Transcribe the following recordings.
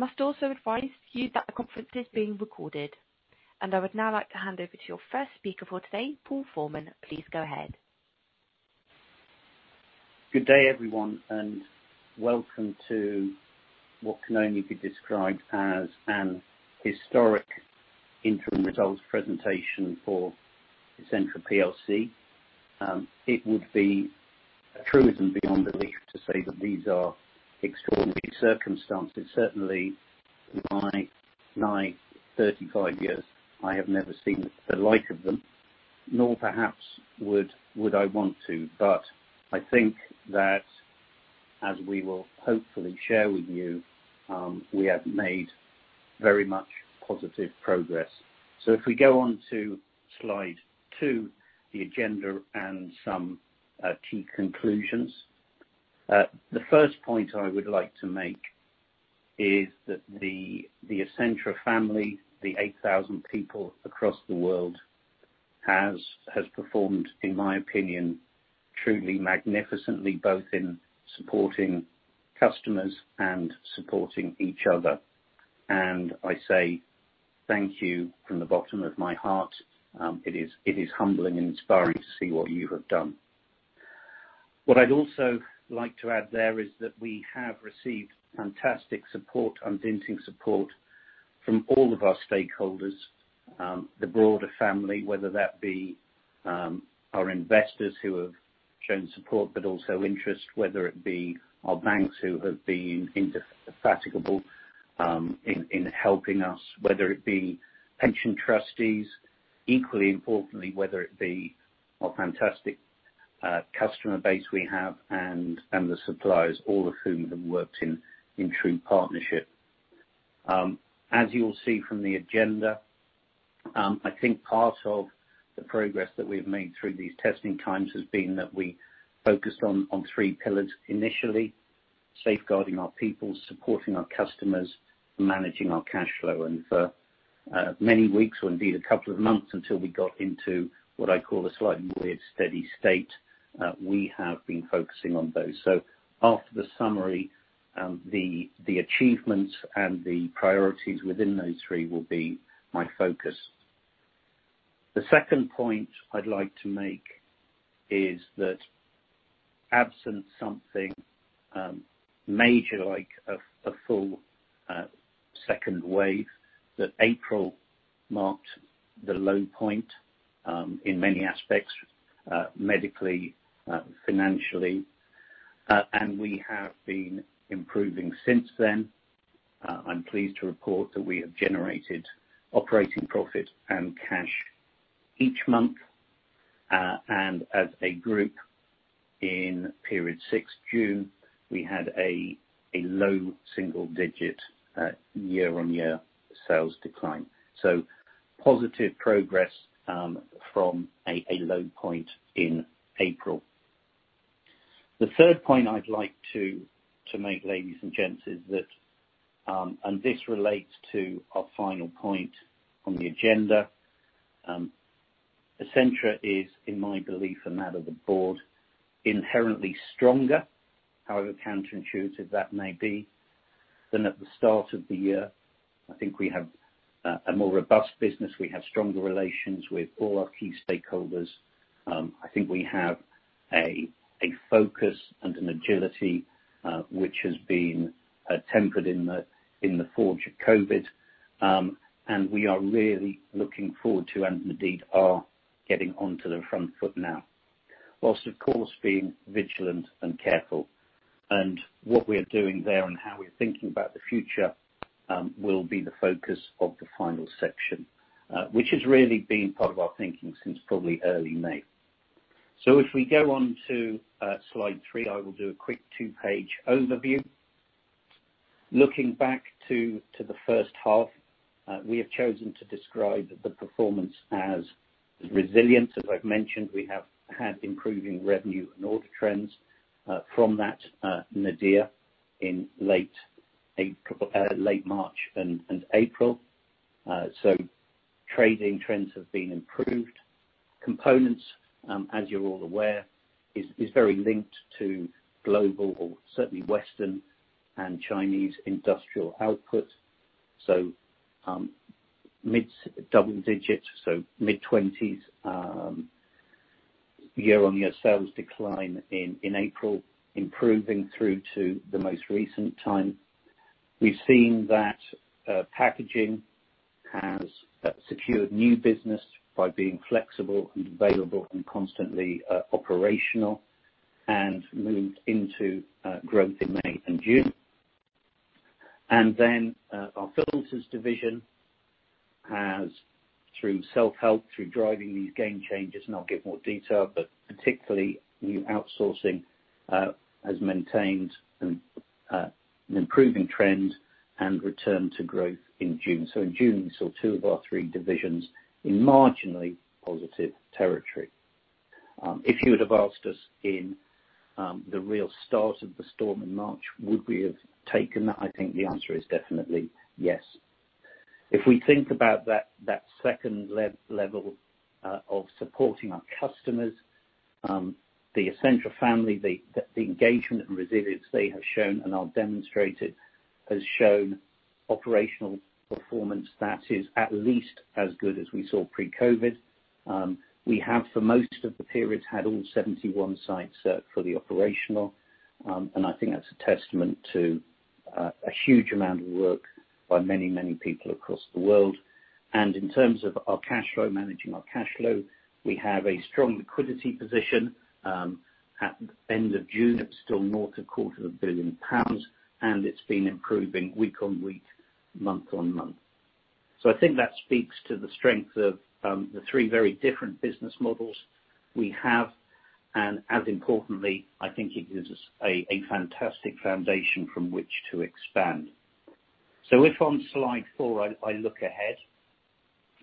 I must also advise to you that the conference is being recorded. I would now like to hand over to your first speaker for today, Paul Forman. Please go ahead. Good day, everyone, welcome to what can only be described as an historic interim results presentation for Essentra PLC. It would be a truism beyond belief to say that these are extraordinary circumstances. Certainly, in my 35 years, I have never seen the like of them, nor perhaps would I want to. I think that as we will hopefully share with you, we have made very much positive progress. If we go on to slide two, the agenda and some key conclusions. The first point I would like to make is that the Essentra family, the 8,000 people across the world, has performed, in my opinion, truly magnificently, both in supporting customers and supporting each other. I say thank you from the bottom of my heart. It is humbling and inspiring to see what you have done. What I'd also like to add there is that we have received fantastic support, unwavering support from all of our stakeholders, the broader family, whether that be our investors who have shown support, but also interest, whether it be our banks who have been indefatigable in helping us, whether it be pension trustees, equally importantly, whether it be our fantastic customer base we have and the suppliers, all of whom have worked in true partnership. As you will see from the agenda, I think part of the progress that we've made through these testing times has been that we focused on three pillars, initially, safeguarding our people, supporting our customers, managing our cash flow. For many weeks or indeed a couple of months until we got into what I call a slightly more steady state, we have been focusing on those. After the summary, the achievements and the priorities within those three will be my focus. The second point I'd like to make is that absent something major, like a full second wave, that April marked the low point, in many aspects, medically, financially, and we have been improving since then. I'm pleased to report that we have generated operating profit and cash each month. As a group in period 6th June, we had a low single digit year-on-year sales decline. Positive progress from a low point in April. The third point I'd like to make, ladies and gents, is that, and this relates to our final point on the agenda. Essentra is, in my belief and that of the board, inherently stronger, however counterintuitive that may be, than at the start of the year. I think we have a more robust business. We have stronger relations with all our key stakeholders. I think we have a focus and an agility which has been tempered in the forge of COVID. We are really looking forward to, and indeed are getting onto the front foot now, whilst of course being vigilant and careful. What we are doing there and how we are thinking about the future will be the focus of the final section, which has really been part of our thinking since probably early May. If we go on to slide three, I will do a quick two-page overview. Looking back to the first half, we have chosen to describe the performance as resilient. As I've mentioned, we have had improving revenue and order trends from that nadir in late March and April. Trading trends have been improved. Components, as you're all aware, is very linked to global or certainly Western and Chinese industrial output. Mid-double digits, mid-20s year-over-year sales decline in April, improving through to the most recent time. We've seen that packaging has secured new business by being flexible and available and constantly operational and moved into growth in May and June. Our Filters division has, through self-help, through driving these game changes, and I'll give more detail, but particularly new outsourcing has maintained an improving trend and return to growth in June. In June, we saw two of our three divisions in marginally positive territory. If you would have asked us in the real start of the storm in March, would we have taken that? I think the answer is definitely yes. If we think about that second level of supporting our customers, the Essentra family, the engagement and resilience they have shown and are demonstrated, has shown operational performance that is at least as good as we saw pre-COVID. We have, for most of the periods, had all 71 sites fully operational. I think that's a testament to a huge amount of work by many people across the world. In terms of our cash flow, managing our cash flow, we have a strong liquidity position. At the end of June, it was still north of a quarter of 1 billion pounds, and it's been improving week-on-week, month-on-month. I think that speaks to the strength of the three very different business models we have, and as importantly, I think it gives us a fantastic foundation from which to expand. If on slide four, I look ahead,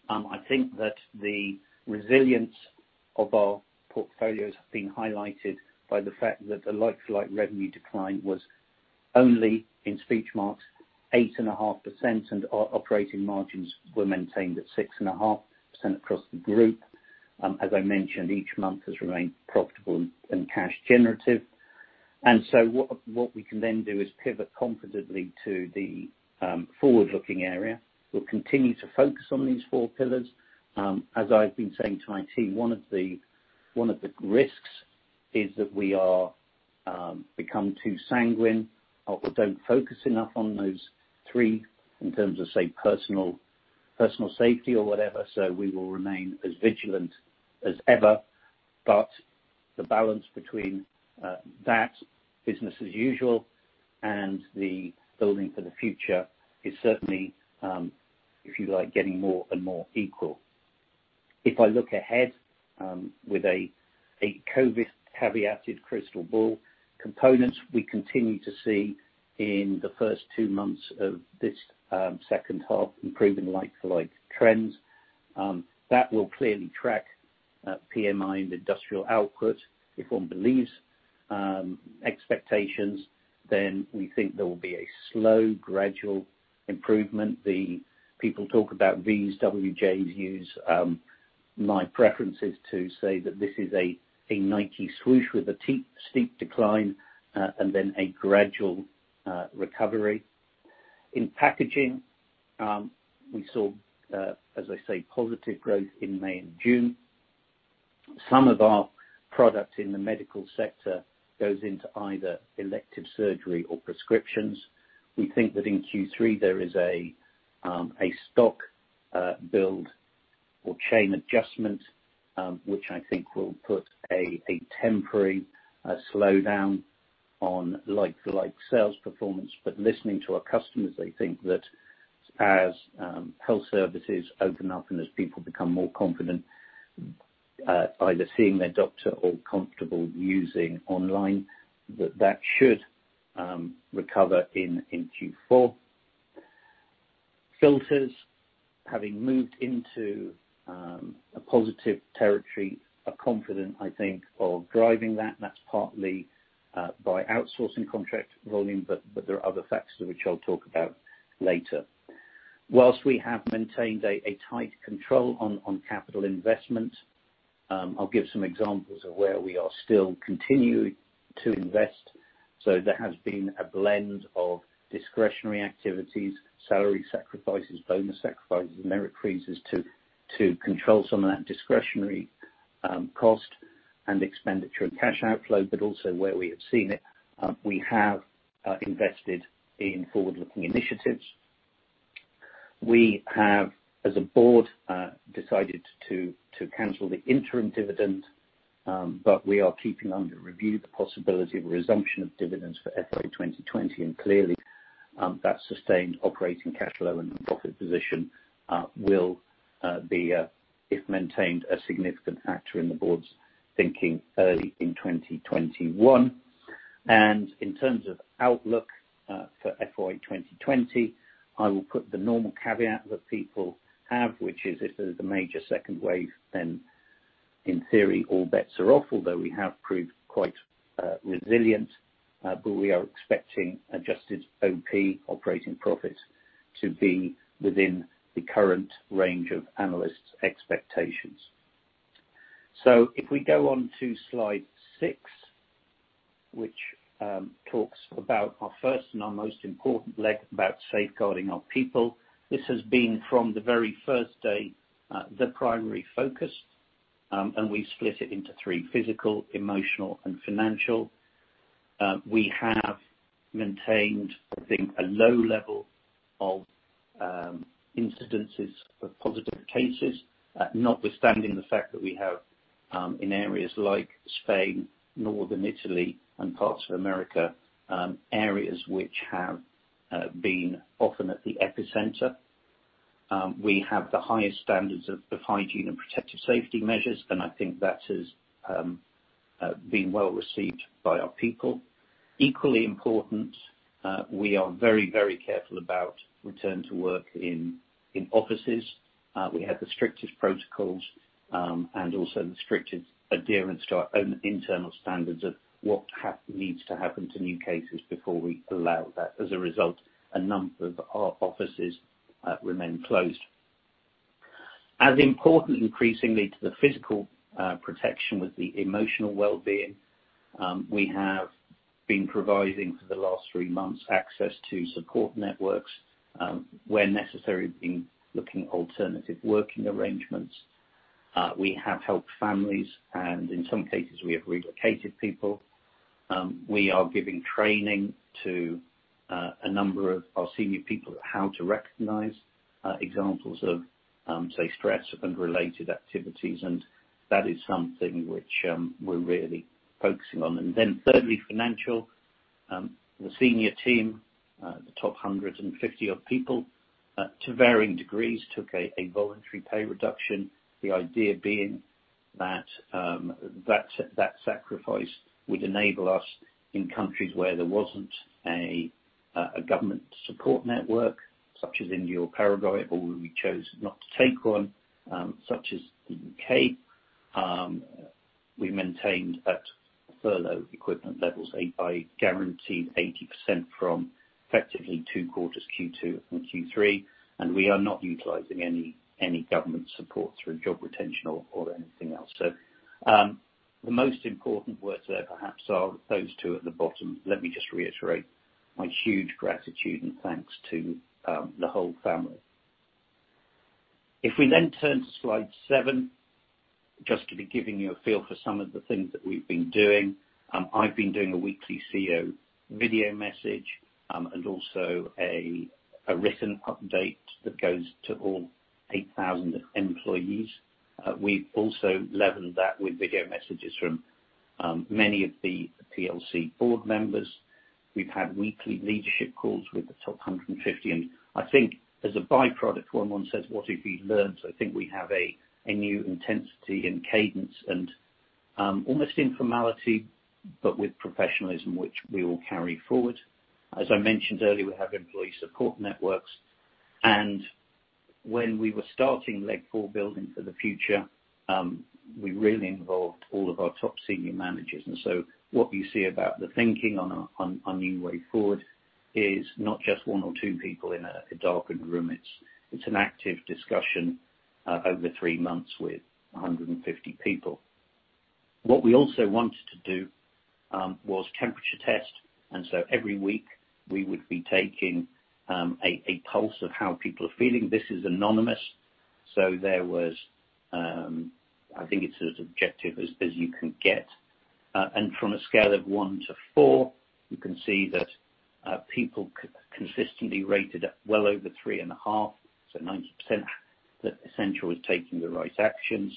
I think that the resilience of our portfolios have been highlighted by the fact that the like-to-like revenue decline was only 8.5% and our operating margins were maintained at 6.5% across the group. As I mentioned, each month has remained profitable and cash generative. What we can then do is pivot confidently to the forward-looking area. We'll continue to focus on these four pillars. As I've been saying to my team, one of the risks is that we become too sanguine or don't focus enough on those three in terms of, say, personal safety or whatever. We will remain as vigilant as ever, but the balance between that business as usual and the building for the future is certainly, if you like, getting more and more equal. If I look ahead, with a COVID-19 caveated crystal ball, components we continue to see in the first two months of this second half, improving like-for-like trends, that will clearly track PMI and industrial output. If one believes expectations, we think there will be a slow, gradual improvement. The people talk about V's, W's, J's, U's. My preference is to say that this is a Nike Swoosh with a steep decline, and then a gradual recovery. In packaging, we saw, as I say, positive growth in May and June. Some of our product in the medical sector goes into either elective surgery or prescriptions. We think that in Q3 there is a stock build or chain adjustment, which I think will put a temporary slowdown on like-to-like sales performance. Listening to our customers, they think that as health services open up and as people become more confident, either seeing their doctor or comfortable using online, that that should recover in Q4. Filters, having moved into a positive territory, are confident, I think, of driving that, and that's partly by outsourcing contract volume, but there are other factors which I'll talk about later. Whilst we have maintained a tight control on capital investment, I'll give some examples of where we are still continuing to invest. There has been a blend of discretionary activities, salary sacrifices, bonus sacrifices, merit freezes to control some of that discretionary cost and expenditure and cash outflow. Also where we have seen it, we have invested in forward-looking initiatives. We have, as a board, decided to cancel the interim dividend, but we are keeping under review the possibility of resumption of dividends for FY 2020, and clearly, that sustained operating cash flow and profit position will be, if maintained, a significant factor in the board's thinking early in 2021. In terms of outlook for FY 2020, I will put the normal caveat that people have, which is if there's a major second wave, then in theory, all bets are off. Although we have proved quite resilient, but we are expecting adjusted OP, operating profit, to be within the current range of analysts' expectations. If we go on to slide six, which talks about our first and our most important leg about safeguarding our people. This has been from the very first day, the primary focus, and we split it into three: physical, emotional, and financial. We have maintained, I think, a low level of incidences of positive cases, notwithstanding the fact that we have, in areas like Spain, Northern Italy, and parts of the U.S., areas which have been often at the epicenter. We have the highest standards of hygiene and protective safety measures, and I think that has been well received by our people. Equally important, we are very careful about return to work in offices. We have the strictest protocols, and also the strictest adherence to our own internal standards of what needs to happen to new cases before we allow that. As a result, a number of our offices remain closed. As important, increasingly, to the physical protection was the emotional wellbeing. We have been providing for the last three months, access to support networks. Where necessary, we have been looking at alternative working arrangements. We have helped families, and in some cases we have relocated people. We are giving training to a number of our senior people at how to recognize examples of, say, stress and related activities, and that is something which we're really focusing on. Thirdly, financial. The senior team, the top 150-odd people, to varying degrees, took a voluntary pay reduction. The idea being that that sacrifice would enable us in countries where there wasn't a government support network, such as India or Paraguay, or where we chose not to take one, such as the U.K. We maintained at furlough equipment levels, a guaranteed 80% from effectively two quarters, Q2 and Q3, and we are not utilizing any government support through job retention or anything else. The most important words there perhaps are those two at the bottom. Let me just reiterate my huge gratitude and thanks to the whole family. If we then turn to slide seven, just to be giving you a feel for some of the things that we've been doing. I've been doing a weekly CEO video message, and also a written update that goes to all 8,000 employees. We've also leveled that with video messages from many of the PLC board members. We've had weekly leadership calls with the top 150. I think as a by-product, when one says, what have we learned, I think we have a new intensity and cadence and almost informality, but with professionalism, which we will carry forward. As I mentioned earlier, we have employee support networks. When we were starting leg four, building for the future, we really involved all of our top senior managers. What you see about the thinking on a new way forward is not just one or two people in a darkened room. It's an active discussion over three months with 150 people. What we also wanted to do was temperature test. Every week we would be taking a pulse of how people are feeling. This is anonymous, so I think it's as objective as you can get. From a scale of one to four, you can see that people consistently rated at well over three and a half. 90% that Essentra was taking the right actions,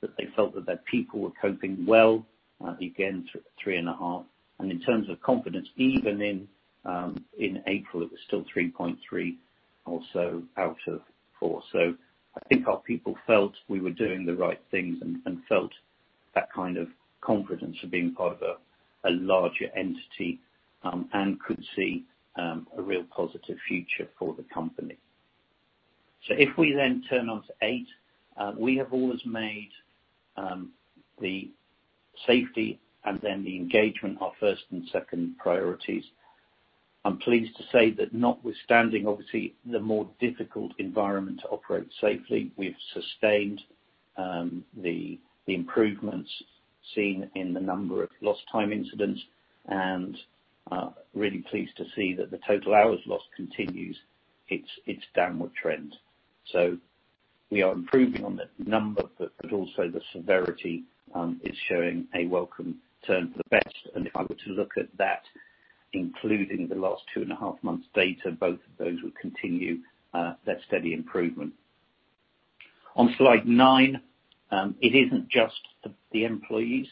that they felt that their people were coping well, again, three and a half. In terms of confidence, even in April, it was still 3.3 or so out of four. I think our people felt we were doing the right things and felt that kind of confidence of being part of a larger entity, and could see a real positive future for the company. If we then turn on to slide eight. We have always made the safety and then the engagement our first and second priorities. I'm pleased to say that notwithstanding, obviously, the more difficult environment to operate safely, we've sustained the improvements seen in the number of lost time incidents and really pleased to see that the total hours lost continues its downward trend. We are improving on the number, but also the severity is showing a welcome turn for the best. If I were to look at that, including the last two and a half months' data, both of those would continue their steady improvement. On slide nine. It isn't just the employees.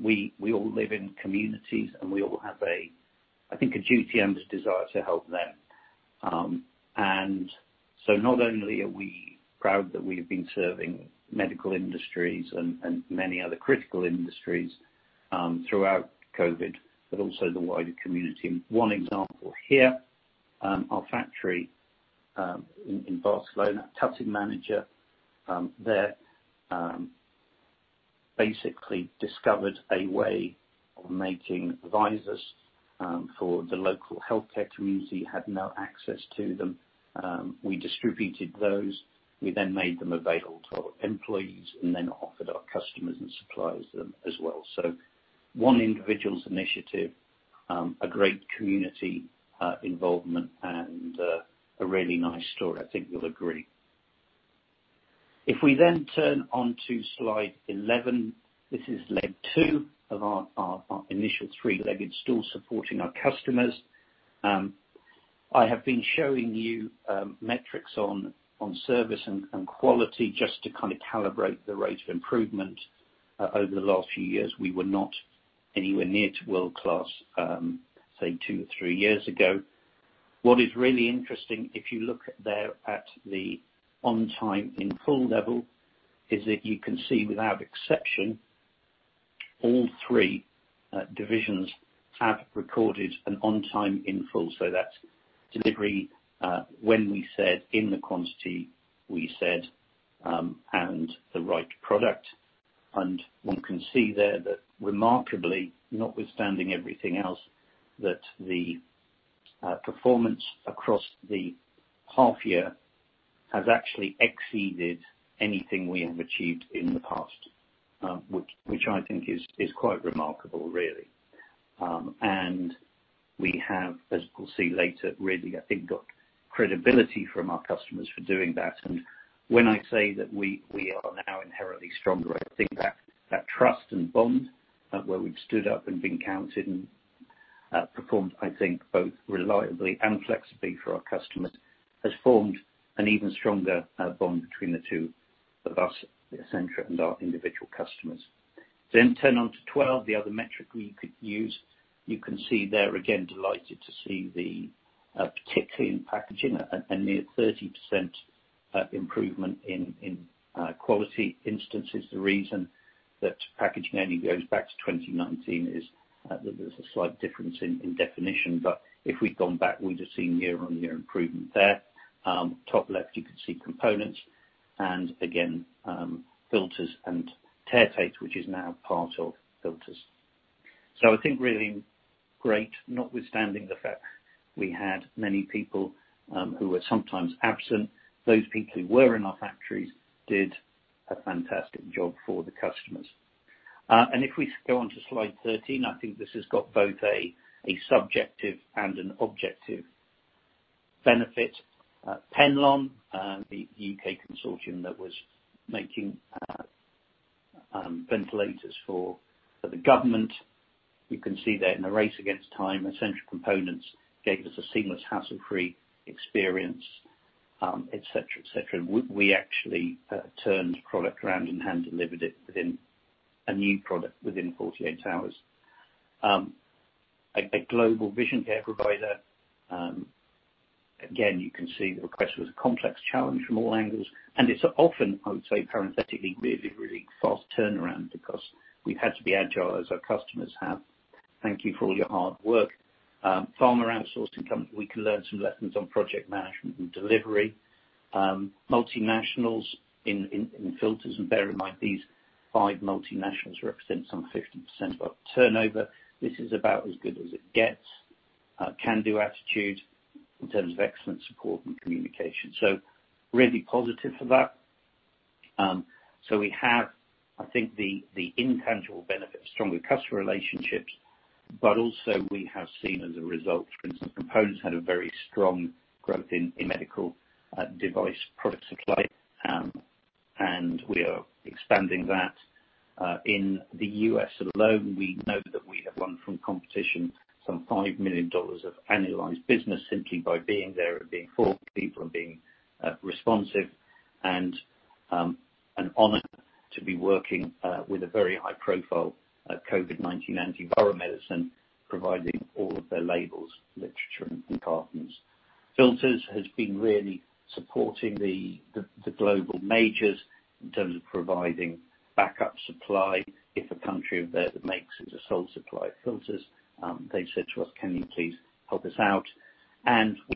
We all live in communities, and we all have, I think, a duty and a desire to help them. Not only are we proud that we've been serving medical industries and many other critical industries, throughout COVID, but also the wider community. One example here, our factory, in Barcelona. A cutting manager there basically discovered a way of making visors for the local healthcare community, had no access to them. We distributed those. We then made them available to our employees, and then offered our customers and suppliers them as well. One individual's initiative, a great community involvement and a really nice story, I think you'll agree. If we then turn onto slide 11. This is leg two of our initial three-legged stool supporting our customers. I have been showing you metrics on service and quality just to kind of calibrate the rate of improvement over the last few years. We were not anywhere near to world-class, say, two or three years ago. What is really interesting, if you look there at the on-time in full level, is that you can see without exception, all three divisions have recorded an on-time in full. That's delivery when we said, in the quantity we said, and the right product. One can see there that remarkably, notwithstanding everything else, that the performance across the half year has actually exceeded anything we have achieved in the past. Which I think is quite remarkable, really. We have, as we'll see later, really, I think got credibility from our customers for doing that. When I say that we are now inherently stronger, I think that trust and bond, where we've stood up and been counted and performed, I think both reliably and flexibly for our customers, has formed an even stronger bond between the two of us, Essentra, and our individual customers. Turn on to 12, the other metric we could use. You can see there, again, delighted to see particularly in packaging, a near 30% improvement in quality instances. The reason that packaging only goes back to 2019 is that there's a slight difference in definition. If we'd gone back, we'd have seen year-on-year improvement there. Top left, you can see components and again, Filters and tear tape, which is now part of Filters. I think really great, notwithstanding the fact we had many people who were sometimes absent. Those people who were in our factories did a fantastic job for the customers. If we go onto slide 13, I think this has got both a subjective and an objective benefit. Penlon, the UK consortium that was making ventilators for the government. You can see there, "In a race against time, Essentra Components gave us a seamless, hassle-free experience," et cetera. We actually turned product around and hand delivered it within a new product, within 48 hours. A global vision care provider. Again, you can see the request was a complex challenge from all angles, and it's often, I would say parenthetically, really fast turnaround because we've had to be agile as our customers have. "Thank you for all your hard work." Pharma outsourcing company. "We can learn some lessons on project management and delivery." Multinationals in Filters. Bear in mind, these five multinationals represent some 50% of our turnover. This is about as good as it gets. "Can-do attitude in terms of excellent support and communication." Really positive for that. We have, I think, the intangible benefit of stronger customer relationships. Also we have seen as a result, for instance, Essentra Components had a very strong growth in medical device product supply. We are expanding that. In the U.S. alone, we know that we have won from competition some GBP 5 million of annualized business simply by being there and being forthright and being responsive. An honor to be working with a very high profile COVID-19 antiviral medicine, providing all of their labels, literature, and cartons. Essentra Filters has been really supporting the global majors in terms of providing backup supply. If a country of theirs that makes its sole supply of Filters, they said to us, "Can you please help us out?"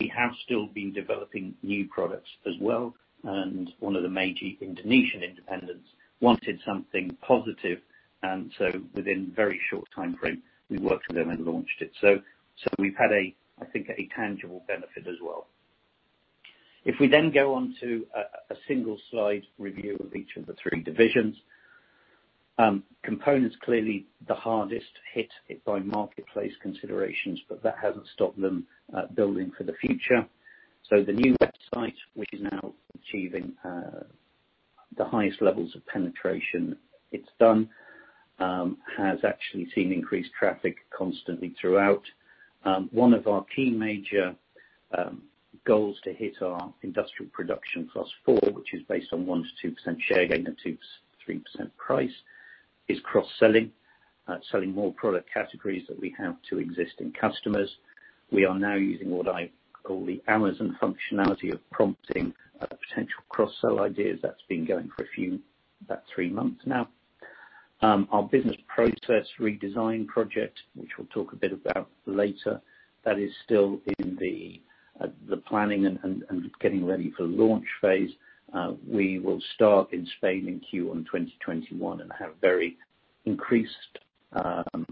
We have still been developing new products as well. One of the major Indonesian independents wanted something positive, and so within very short time frame, we worked with them and launched it. We've had, I think, a tangible benefit as well. If we then go on to a single slide review of each of the three divisions. Components, clearly the hardest hit by marketplace considerations, but that hasn't stopped them building for the future. The new website, which is now achieving the highest levels of penetration it's done has actually seen increased traffic constantly throughout. One of our key major goals to hit our industrial production +4, which is based on 1%-2% share gain at 2%-3% price, is cross-selling. Selling more product categories that we have to existing customers. We are now using what I call the Amazon functionality of prompting potential cross-sell ideas. That's been going for about three months now. Our business process redesign project, which we'll talk a bit about later, that is still in the planning and getting ready for launch phase. We will start in Spain in Q1 2021 and have very increased, if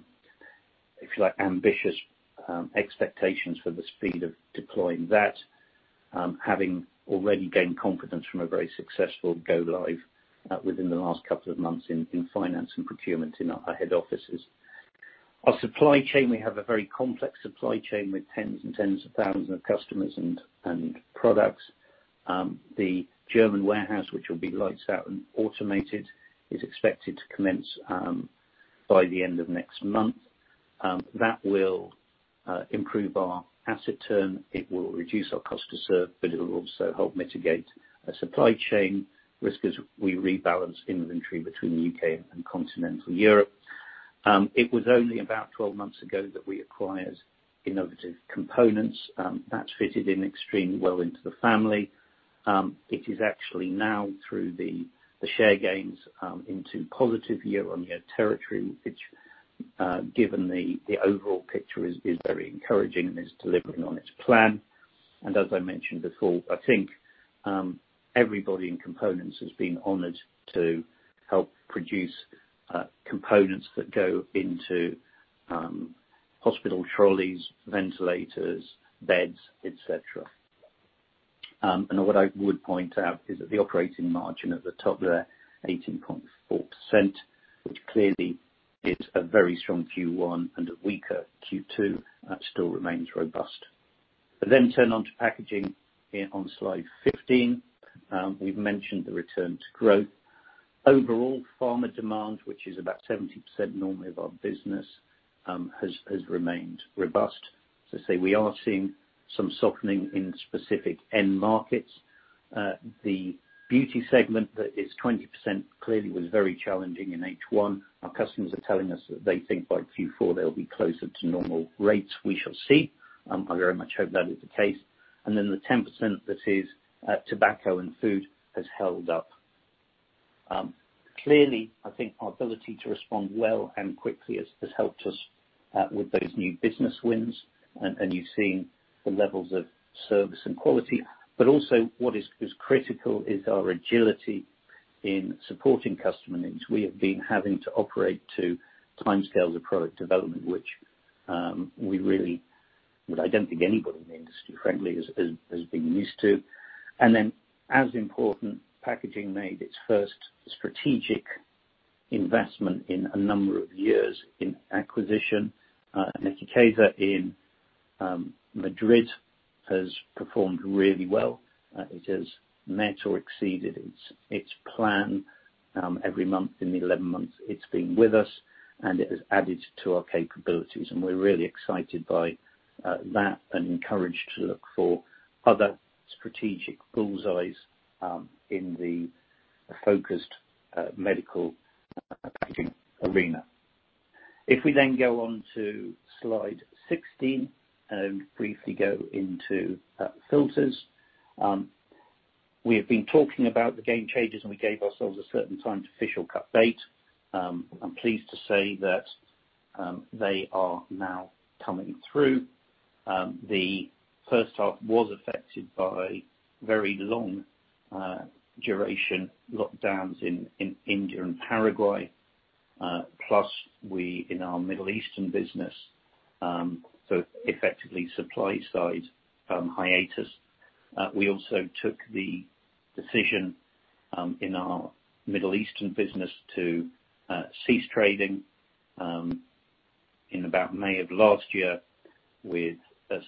you like, ambitious expectations for the speed of deploying that. Having already gained confidence from a very successful go live within the last couple of months in finance and procurement in our head offices. Our supply chain. We have a very complex supply chain with tens and tens of thousands of customers and products. The German warehouse, which will be lights out and automated, is expected to commence by the end of next month. That will improve our asset turn, it will reduce our cost to serve, but it will also help mitigate supply chain risk as we rebalance inventory between the U.K. and continental Europe. It was only about 12 months ago that we acquired Innovative Components. That's fitted in extremely well into the family. It is actually now through the share gains into positive year-on-year territory, which given the overall picture is very encouraging and is delivering on its plan. As I mentioned before, I think everybody in components has been honored to help produce components that go into hospital trolleys, ventilators, beds, et cetera. What I would point out is that the operating margin at the top there, 18.4%, which clearly is a very strong Q1 and a weaker Q2. That still remains robust. I turn on to packaging on slide 15. We've mentioned the return to growth. Overall, pharma demand, which is about 70% normally of our business, has remained robust. As I say, we are seeing some softening in specific end markets. The beauty segment that is 20% clearly was very challenging in H1. Our customers are telling us that they think by Q4 they'll be closer to normal rates. We shall see. I very much hope that is the case. The 10% that is tobacco and food has held up. Clearly, I think our ability to respond well and quickly has helped us with those new business wins. You're seeing the levels of service and quality, but also what is critical is our agility in supporting customer needs. We have been having to operate to timescales of product development, which we really, well, I don't think anybody in the industry, frankly, is used to. As important, packaging made its first strategic investment in a number of years in acquisition. Nekicesa in Madrid has performed really well. It has met or exceeded its plan every month in the 11 months it’s been with us, and it has added to our capabilities, and we’re really excited by that and encouraged to look for other strategic bullseyes in the focused medical packaging arena. If we then go on to slide 16, briefly go into Filters. We have been talking about the game changes, and we gave ourselves a certain time to official cut date. I’m pleased to say that they are now coming through. The first half was affected by very long duration lockdowns in India and Paraguay. Plus we, in our Middle Eastern business, so effectively supply side hiatus. We also took the decision, in our Middle Eastern business to cease trading, in about May of last year with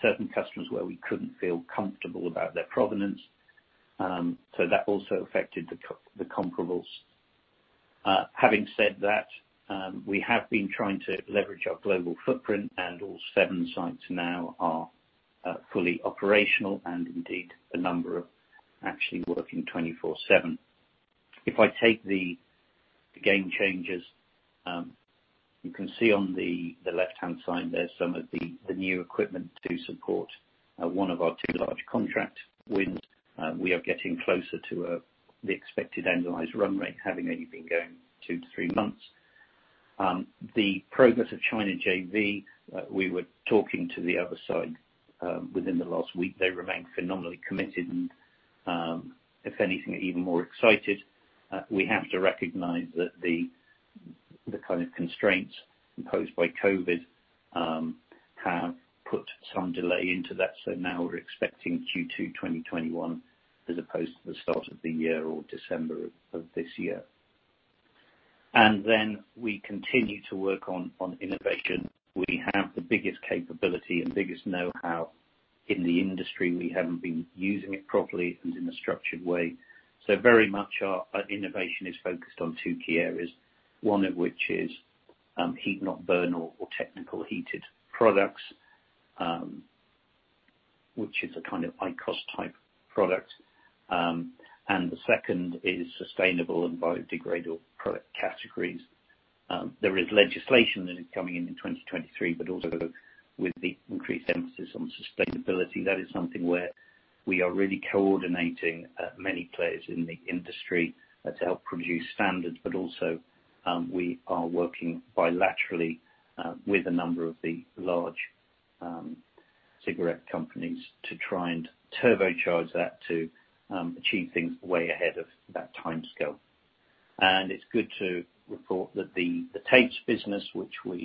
certain customers where we couldn't feel comfortable about their provenance. That also affected the comparables. Having said that, we have been trying to leverage our global footprint and all seven sites now are fully operational and indeed a number of actually working 24/7. If I take the game changes, you can see on the left-hand side there's some of the new equipment to support one of our two large contract wins. We are getting closer to the expected annualized run rate, having only been going two to three months. The progress of China JV, we were talking to the other side within the last week. They remain phenomenally committed and, if anything, even more excited. We have to recognize that the kind of constraints imposed by COVID have put some delay into that. Now we're expecting Q2 2021 as opposed to the start of the year or December of this year. We continue to work on innovation. We have the biggest capability and biggest know-how in the industry. We haven't been using it properly and in a structured way. Very much our innovation is focused on two key areas. One of which is Heat-not-burn or technical heated products, which is a kind of IQOS type product. The second is sustainable and biodegradable product categories. There is legislation that is coming in in 2023, but also with the increased emphasis on sustainability, that is something where we are really coordinating many players in the industry to help produce standards. Also, we are working bilaterally with a number of the large cigarette companies to try and turbocharge that to achieve things way ahead of that timescale. It's good to report that the tapes business, which was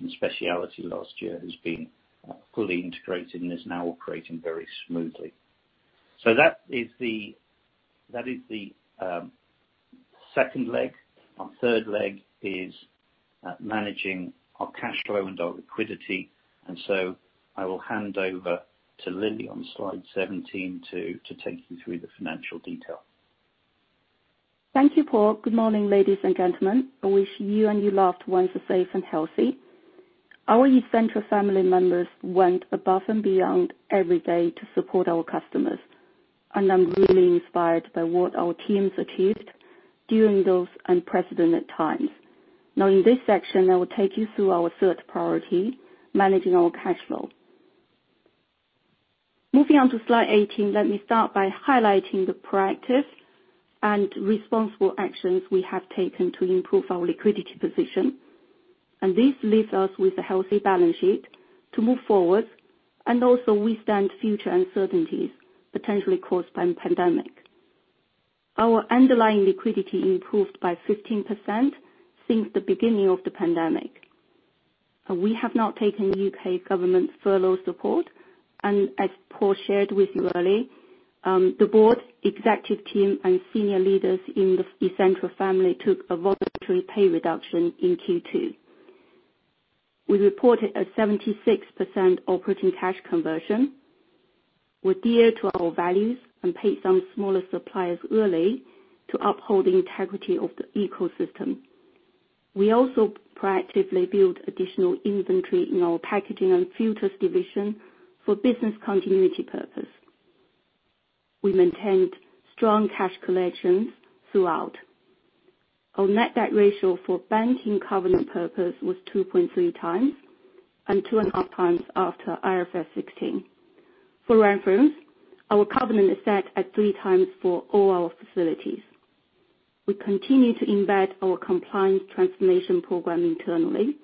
in specialty last year, has been fully integrated and is now operating very smoothly. That is the second leg. Our third leg is managing our cash flow and our liquidity. I will hand over to Lily on slide 17 to take you through the financial detail. Thank you, Paul. Good morning, ladies and gentlemen. I wish you and your loved ones are safe and healthy. Our Essentra family members went above and beyond every day to support our customers, and I'm really inspired by what our teams achieved during those unprecedented times. Now in this section, I will take you through our third priority, managing our cash flow. Moving on to slide 18, let me start by highlighting the proactive and responsible actions we have taken to improve our liquidity position. This leaves us with a healthy balance sheet to move forward and also withstand future uncertainties potentially caused by the pandemic. Our underlying liquidity improved by 15% since the beginning of the pandemic. We have not taken UK government furlough support, and as Paul shared with you earlier, the board, executive team, and senior leaders in the Essentra family took a voluntary pay reduction in Q2. We reported a 76% operating cash conversion. We adhere to our values and pay some smaller suppliers early to uphold the integrity of the ecosystem. We also proactively build additional inventory in our packaging and filters division for business continuity purpose. We maintained strong cash collections throughout. Our net debt ratio for banking covenant purpose was 2.3 times, and 2.5 times after IFRS 16. For reference, our covenant is set at three times for all our facilities. We continue to embed our compliance transformation program internally.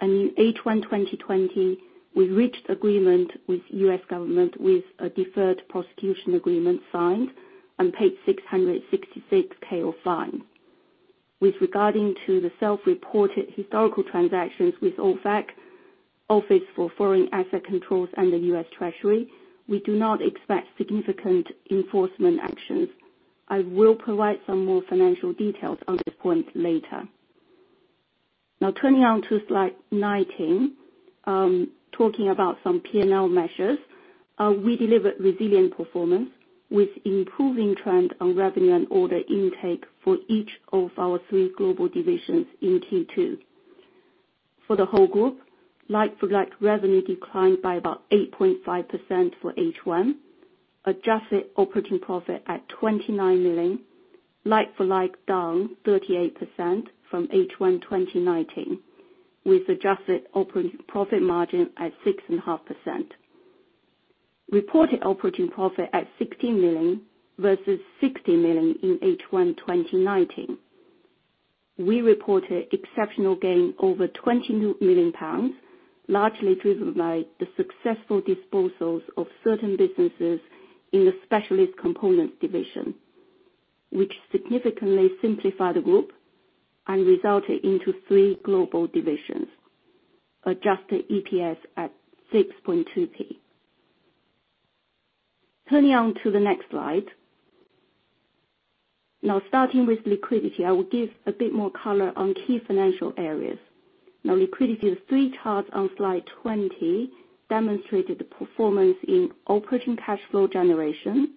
In H1 2020, we reached agreement with US government, with a deferred prosecution agreement signed and paid $666K fine. With regard to the self-reported historical transactions with OFAC, Office of Foreign Assets Control, and the US Treasury, we do not expect significant enforcement actions. I will provide some more financial details on this point later. Turning on to slide 19, talking about some P&L measures. We delivered resilient performance with improving trend on revenue and order intake for each of our three global divisions in Q2. For the whole group, like-for-like revenue declined by about 8.5% for H1. Adjusted operating profit at 29 million, like-for-like down 38% from H1 2019, with adjusted operating profit margin at 6.5%. Reported operating profit at 16 million versus 60 million in H1 2019. We reported exceptional gain over 20 million pounds, largely driven by the successful disposals of certain businesses in the specialist components division, which significantly simplify the group and resulted into three global divisions. Adjusted EPS at 0.062. Starting with liquidity, I will give a bit more color on key financial areas. Liquidity, the three charts on slide 20 demonstrated the performance in operating cash flow generation,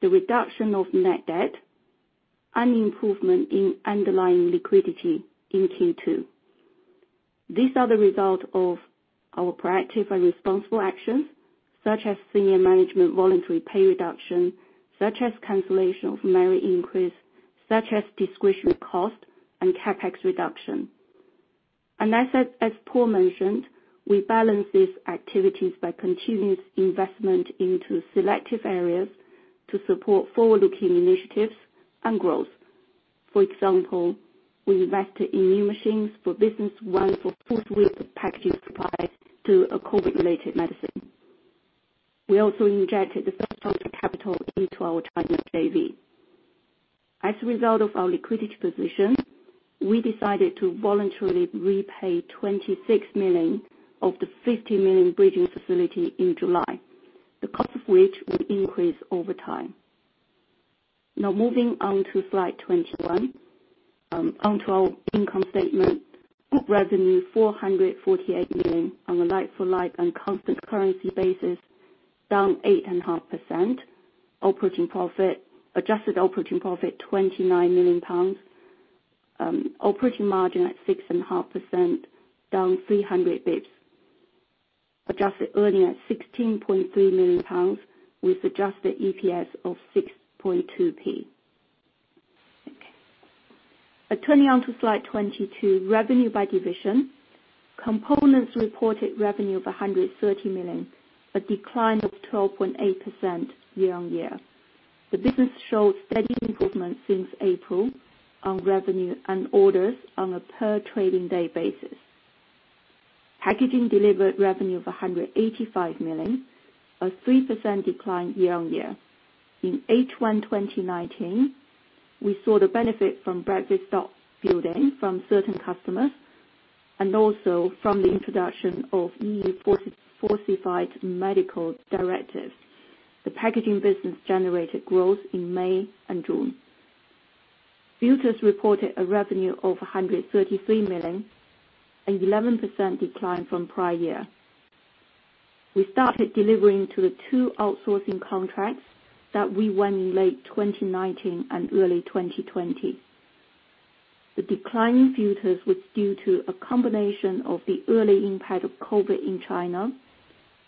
the reduction of net debt, and improvement in underlying liquidity in Q2. These are the result of our proactive and responsible actions, such as senior management voluntary pay reduction, such as cancellation of salary increase, such as discretionary cost and CapEx reduction. As Paul mentioned, we balance these activities by continuous investment into selective areas to support forward-looking initiatives and growth. For example, we invested in new machines for business won for fourth week of packaging supply to a COVID-related medicine. We also injected the first round of capital into our China JV. As a result of our liquidity position, we decided to voluntarily repay 26 million of the 50 million bridging facility in July, the cost of which will increase over time. Moving on to slide 21. On to our income statement, group revenue 448 million on a like-for-like and constant currency basis, down 8.5%. Adjusted operating profit, 29 million pounds, operating margin at 6.5%, down 300 basis points. Adjusted earning at 16.3 million pounds with adjusted EPS of 0.062. Okay. Turning on to slide 22, revenue by division. Components reported revenue of 130 million, a decline of 12.8% year-on-year. The business showed steady improvement since April on revenue and orders on a per trading day basis. Packaging delivered revenue of 185 million, a 3% decline year-on-year. In H1 2019, we saw the benefit from Brexit restock building from certain customers and also from the introduction of EU Falsified Medicines Directive. The packaging business generated growth in May and June. Filters reported a revenue of 133 million, an 11% decline from prior year. We started delivering to the two outsourcing contracts that we won in late 2019 and early 2020. The decline in Filters was due to a combination of the early impact of COVID-19 in China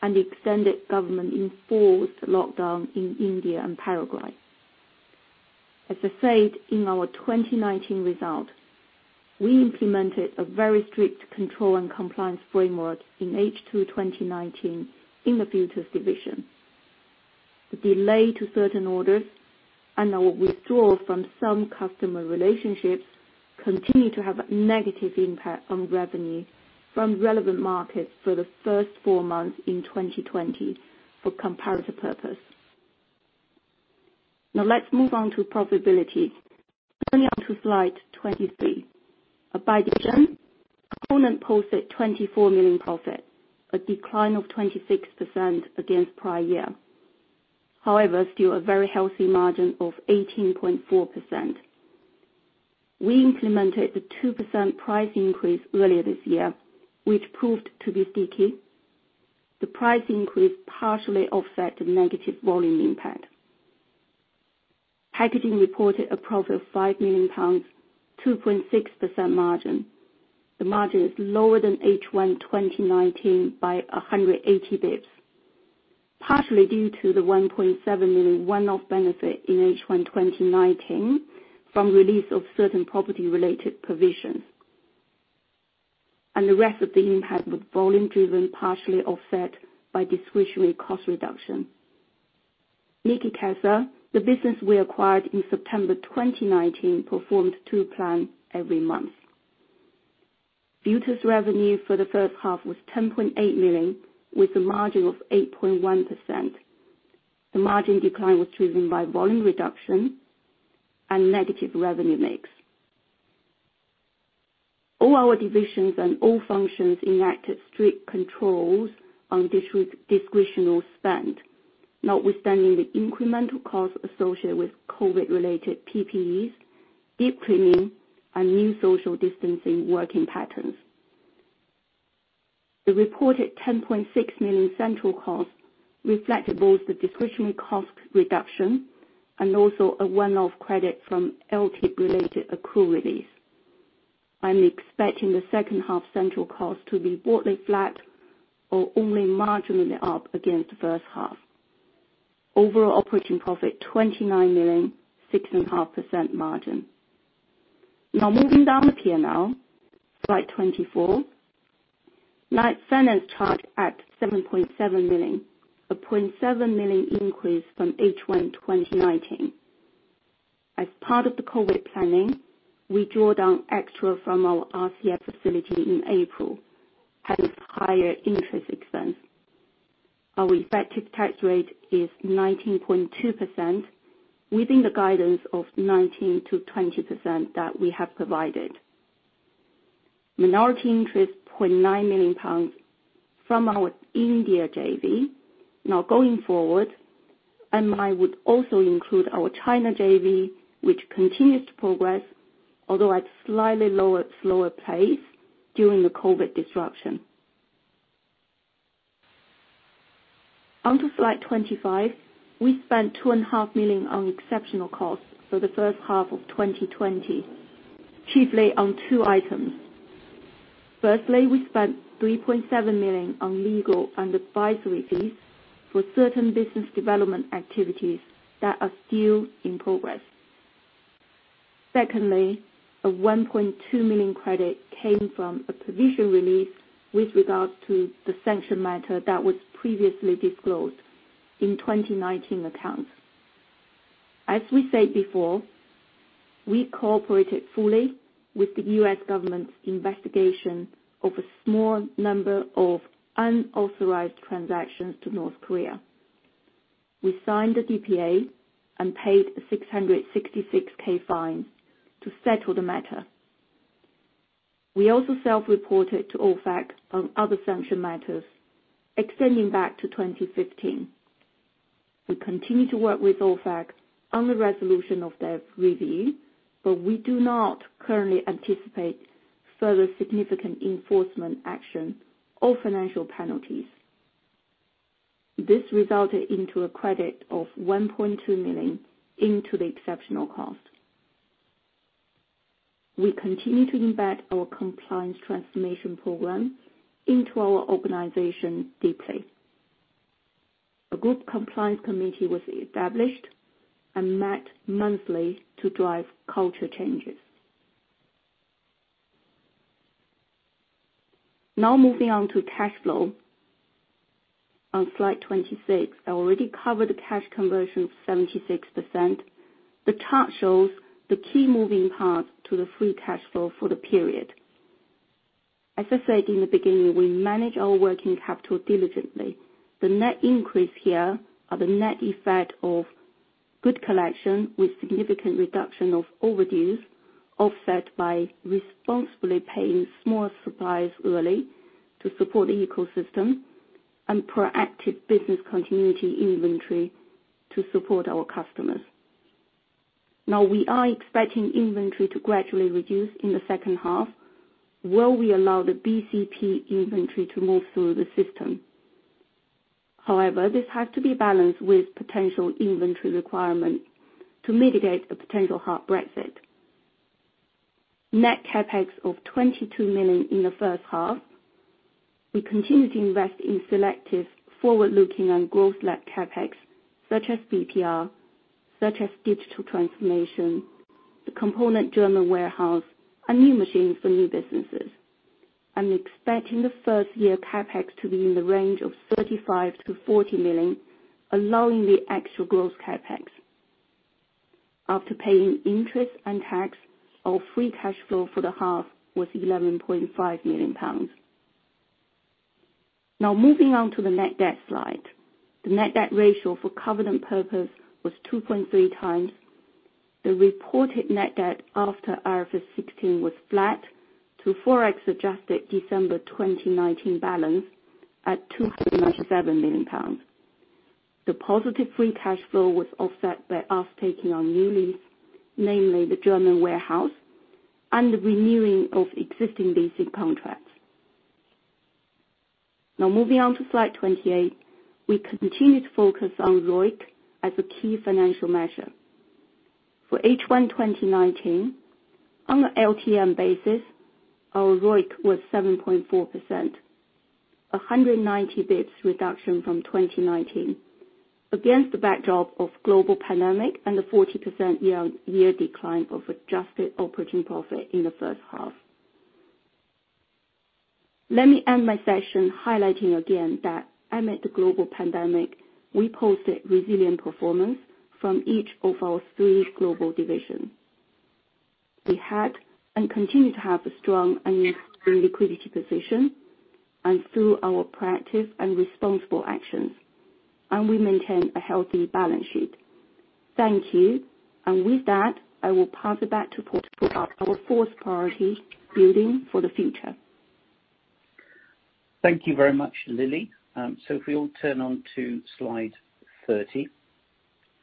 and the extended government enforced lockdown in India and Paraguay. As I said in our 2019 result, we implemented a very strict control and compliance framework in H2 2019 in the Filters division. The delay to certain orders and our withdrawal from some customer relationships continue to have a negative impact on revenue from relevant markets for the first four months in 2020 for comparator purpose. Let's move on to profitability. Turning on to slide 23. By division, Components posted 24 million profit, a decline of 26% against prior year. Still a very healthy margin of 18.4%. We implemented the 2% price increase earlier this year, which proved to be sticky. The price increase partially offset the negative volume impact. Packaging reported a profit of 5 million pounds, 2.6% margin. The margin is lower than H1 2019 by 180 basis points, partially due to the 1.7 million one-off benefit in H1 2019 from release of certain property-related provisions. The rest of the impact was volume driven, partially offset by discretionary cost reduction. Nekicesa, the business we acquired in September 2019, performed to plan every month. Nekicesa's revenue for the first half was 10.8 million, with a margin of 8.1%. The margin decline was driven by volume reduction and negative revenue mix. All our divisions and all functions enacted strict controls on discretionary spend, notwithstanding the incremental costs associated with COVID-related PPE, deep cleaning, and new social distancing working patterns. The reported 10.6 million central cost reflect both the discretionary cost reduction and also a one-off credit from LTIP-related accrual release. I'm expecting the second half central cost to be broadly flat or only marginally up against the first half. Overall operating profit, 29 million, 6.5% margin. Moving down the P&L, slide 24. Net finance charge at 7.7 million, a 0.7 million increase from H1 2019. As part of the COVID planning, we draw down extra from our RCF facility in April, hence higher interest expense. Our effective tax rate is 19.2%, within the guidance of 19%-20% that we have provided. Minority interest, 0.9 million pounds from our India JV. Going forward, MI would also include our China JV, which continues to progress, although at slightly slower pace during the COVID disruption. On to slide 25. We spent 2.5 million on exceptional costs for the first half of 2020, chiefly on two items. Firstly, we spent 3.7 million on legal and advisory fees for certain business development activities that are still in progress. Secondly, a 1.2 million credit came from a provision release with regards to the sanction matter that was previously disclosed in 2019 accounts. As we said before, we cooperated fully with the US government's investigation of a small number of unauthorized transactions to North Korea. We signed the DPA and paid a $666K fine to settle the matter. We also self-reported to OFAC on other sanction matters extending back to 2015. We continue to work with OFAC on the resolution of their review, we do not currently anticipate further significant enforcement action or financial penalties. This resulted into a credit of 1.2 million into the exceptional cost. We continue to embed our compliance transformation program into our organization deeply. A group compliance committee was established and met monthly to drive culture changes. Moving on to cash flow on slide 26. I already covered the cash conversion of 76%. The chart shows the key moving parts to the free cash flow for the period. As I said in the beginning, we manage our working capital diligently. The net increase here are the net effect of good collection with significant reduction of overdues, offset by responsibly paying small suppliers early to support the ecosystem, and proactive business continuity inventory to support our customers. We are expecting inventory to gradually reduce in the second half while we allow the BCP inventory to move through the system. However, this has to be balanced with potential inventory requirements to mitigate a potential hard Brexit. Net CapEx of 22 million in the first half. We continue to invest in selective forward-looking and growth-led CapEx, such as BPR, such digital transformation, the component German warehouse, and new machines for new businesses, and expect in the first year CapEx to be in the range of 35 million-40 million, allowing the actual growth CapEx. After paying interest and tax, our free cash flow for the half was 11.5 million pounds. Moving on to the net debt slide. The net debt ratio for covenant purpose was 2.3 times. The reported net debt after IFRS 16 was flat to ForEx-adjusted December 2019 balance at 297 million pounds. The positive free cash flow was offset by us taking on new lease, namely the German warehouse, and the renewing of existing leasing contracts. Moving on to slide 28. We continue to focus on ROIC as a key financial measure. For H1 2019, on an LTM basis, our ROIC was 7.4%, 190 basis points reduction from 2019 against the backdrop of global pandemic and the 40% year-on-year decline of adjusted operating profit in the first half. Let me end my session highlighting again that amid the global pandemic, we posted resilient performance from each of our three global divisions. We had and continue to have a strong and improving liquidity position and through our practice and responsible actions, and we maintain a healthy balance sheet. Thank you. With that, I will pass it back to report our fourth priority, building for the future. Thank you very much, Lily. If we all turn on to slide 30.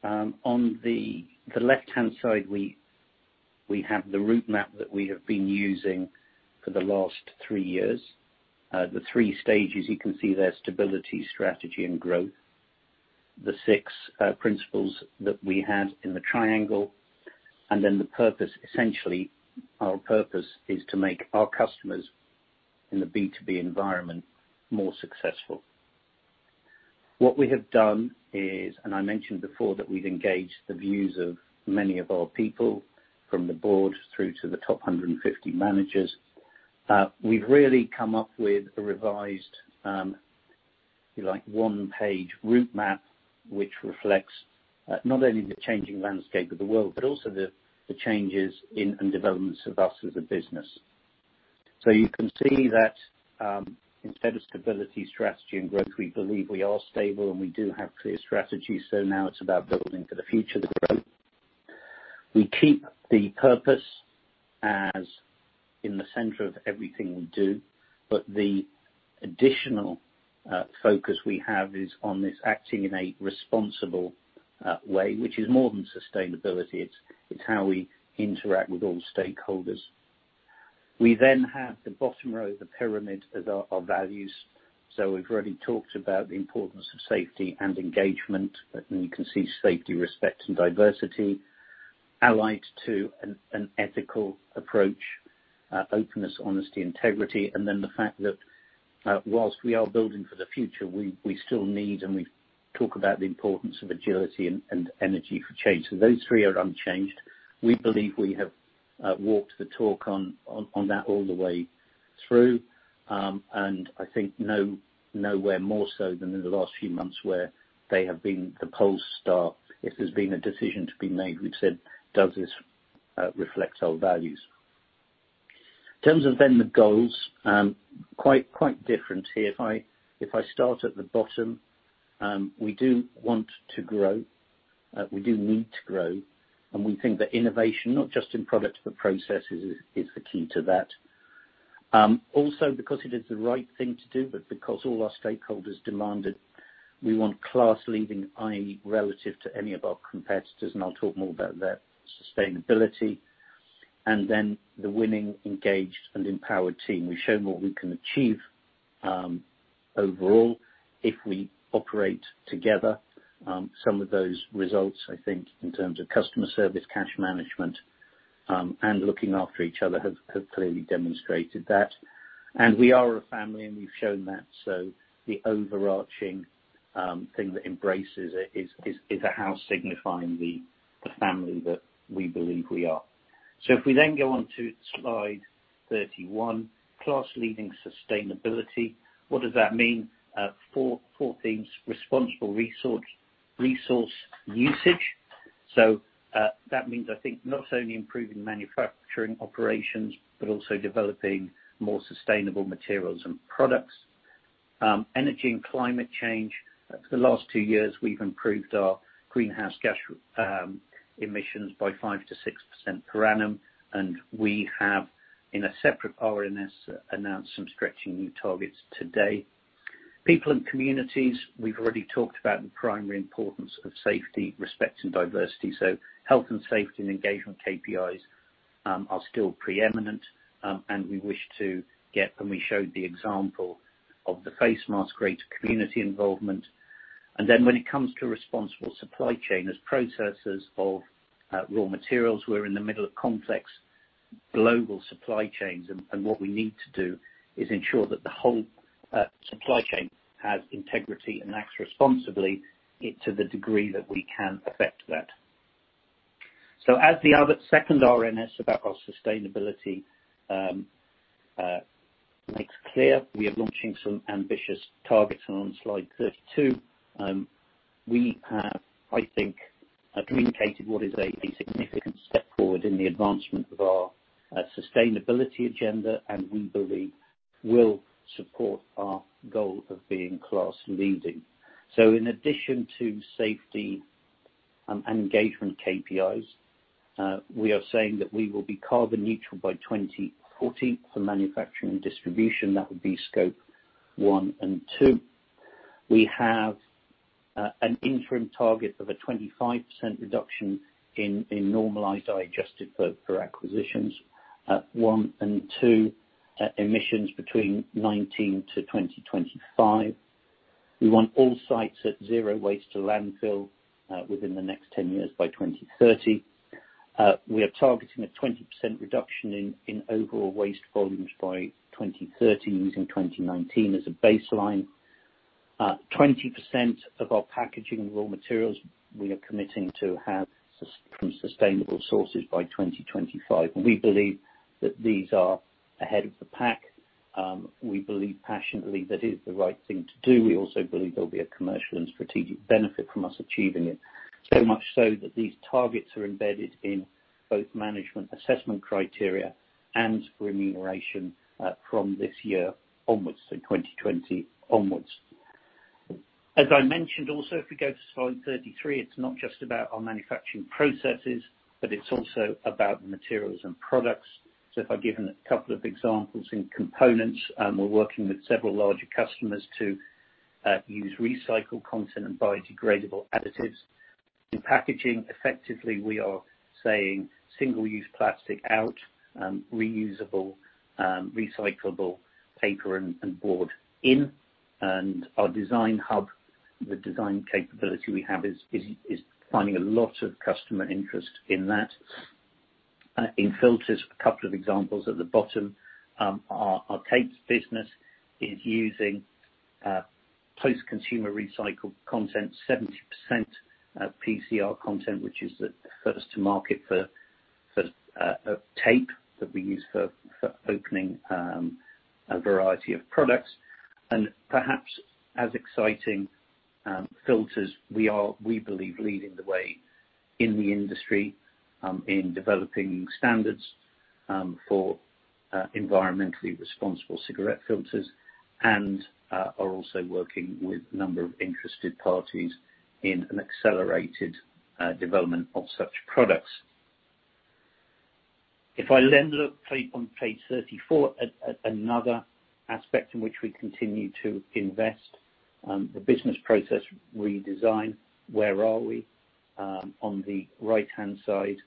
On the left-hand side, we have the route map that we have been using for the last three years. The three stages, you can see there, stability, strategy, and growth. The six principles that we had in the triangle, the purpose, essentially, our purpose is to make our customers in the B2B environment more successful. What we have done is, I mentioned before that we've engaged the views of many of our people from the board through to the top 150 managers. We've really come up with a revised one-page route map which reflects not only the changing landscape of the world, but also the changes in and developments of us as a business. You can see that instead of stability, strategy, and growth, we believe we are stable and we do have clear strategy. Now it's about building for the future, the growth. We keep the purpose as in the center of everything we do, but the additional focus we have is on this acting in a responsible way, which is more than sustainability. It's how we interact with all stakeholders. We have the bottom row of the pyramid as our values. We've already talked about the importance of safety and engagement. You can see safety, respect, and diversity allied to an ethical approach, openness, honesty, integrity, and then the fact that whilst we are building for the future, we still need, and we talk about the importance of agility and energy for change. Those three are unchanged. We believe we have walked the talk on that all the way through. I think nowhere more so than in the last few months where they have been the pole star. If there's been a decision to be made, we've said, "Does this reflect our values?" In terms of the goals, quite different here. If I start at the bottom, we do want to grow. We do need to grow. We think that innovation, not just in product but process is the key to that. Also because it is the right thing to do, but because all our stakeholders demand it, we want class-leading, i.e., relative to any of our competitors, and I'll talk more about that sustainability. The winning engaged and empowered team. We've shown what we can achieve overall if we operate together. Some of those results, I think in terms of customer service, cash management, and looking after each other have clearly demonstrated that. We are a family, and we've shown that. The overarching thing that embraces it is a house signifying the family that we believe we are. If we then go on to slide 31, class-leading sustainability. What does that mean? Four themes. Responsible resource usage. That means I think not only improving manufacturing operations, but also developing more sustainable materials and products. Energy and climate change. For the last two years, we've improved our greenhouse gas emissions by 5%-6% per annum, and we have, in a separate RNS, announced some stretching new targets today. People and communities. We've already talked about the primary importance of safety, respect, and diversity. Health and safety and engagement KPIs are still preeminent, and we wish to get them. We showed the example of the face mask, great community involvement. When it comes to responsible supply chain, as processors of raw materials, we're in the middle of complex global supply chains, and what we need to do is ensure that the whole supply chain has integrity and acts responsibly to the degree that we can affect that. As the second RNS about our sustainability makes clear, we are launching some ambitious targets on slide 32. We have, I think, communicated what is a significant step forward in the advancement of our sustainability agenda, and we believe will support our goal of being class-leading. In addition to safety and engagement KPIs, we are saying that we will be carbon neutral by 2040 for manufacturing and distribution. That would be Scope 1 and 2. We have an interim target of a 25% reduction in normalized adjusted for acquisitions, Scope 1 and 2 emissions between 2019-2025. We want all sites at zero waste to landfill within the next 10 years, by 2030. We are targeting a 20% reduction in overall waste volumes by 2030, using 2019 as a baseline. 20% of our packaging and raw materials we are committing to have from sustainable sources by 2025. We believe that these are ahead of the pack. We believe passionately that is the right thing to do. We also believe there will be a commercial and strategic benefit from us achieving it, so much so that these targets are embedded in both management assessment criteria and for remuneration from this year onwards, so 2020 onwards. As I mentioned also, if we go to slide 33, it's not just about our manufacturing processes, but it's also about the materials and products. If I give a couple of examples. In components, we're working with several larger customers to use recycled content and biodegradable additives. In packaging, effectively, we are saying single-use plastic out, reusable, recyclable paper and board in. Our design hub, the design capability we have, is finding a lot of customer interest in that. In filters, a couple of examples at the bottom. Our tapes business is using post-consumer recycled content, 70% PCR content, which is the first to market for tape that we use for opening a variety of products. Perhaps as exciting, filters, we believe leading the way in the industry in developing standards for environmentally responsible cigarette filters, and are also working with a number of interested parties in an accelerated development of such products. If I look on page 34 at another aspect in which we continue to invest, the Business Process Redesign, where are we? On the right-hand side,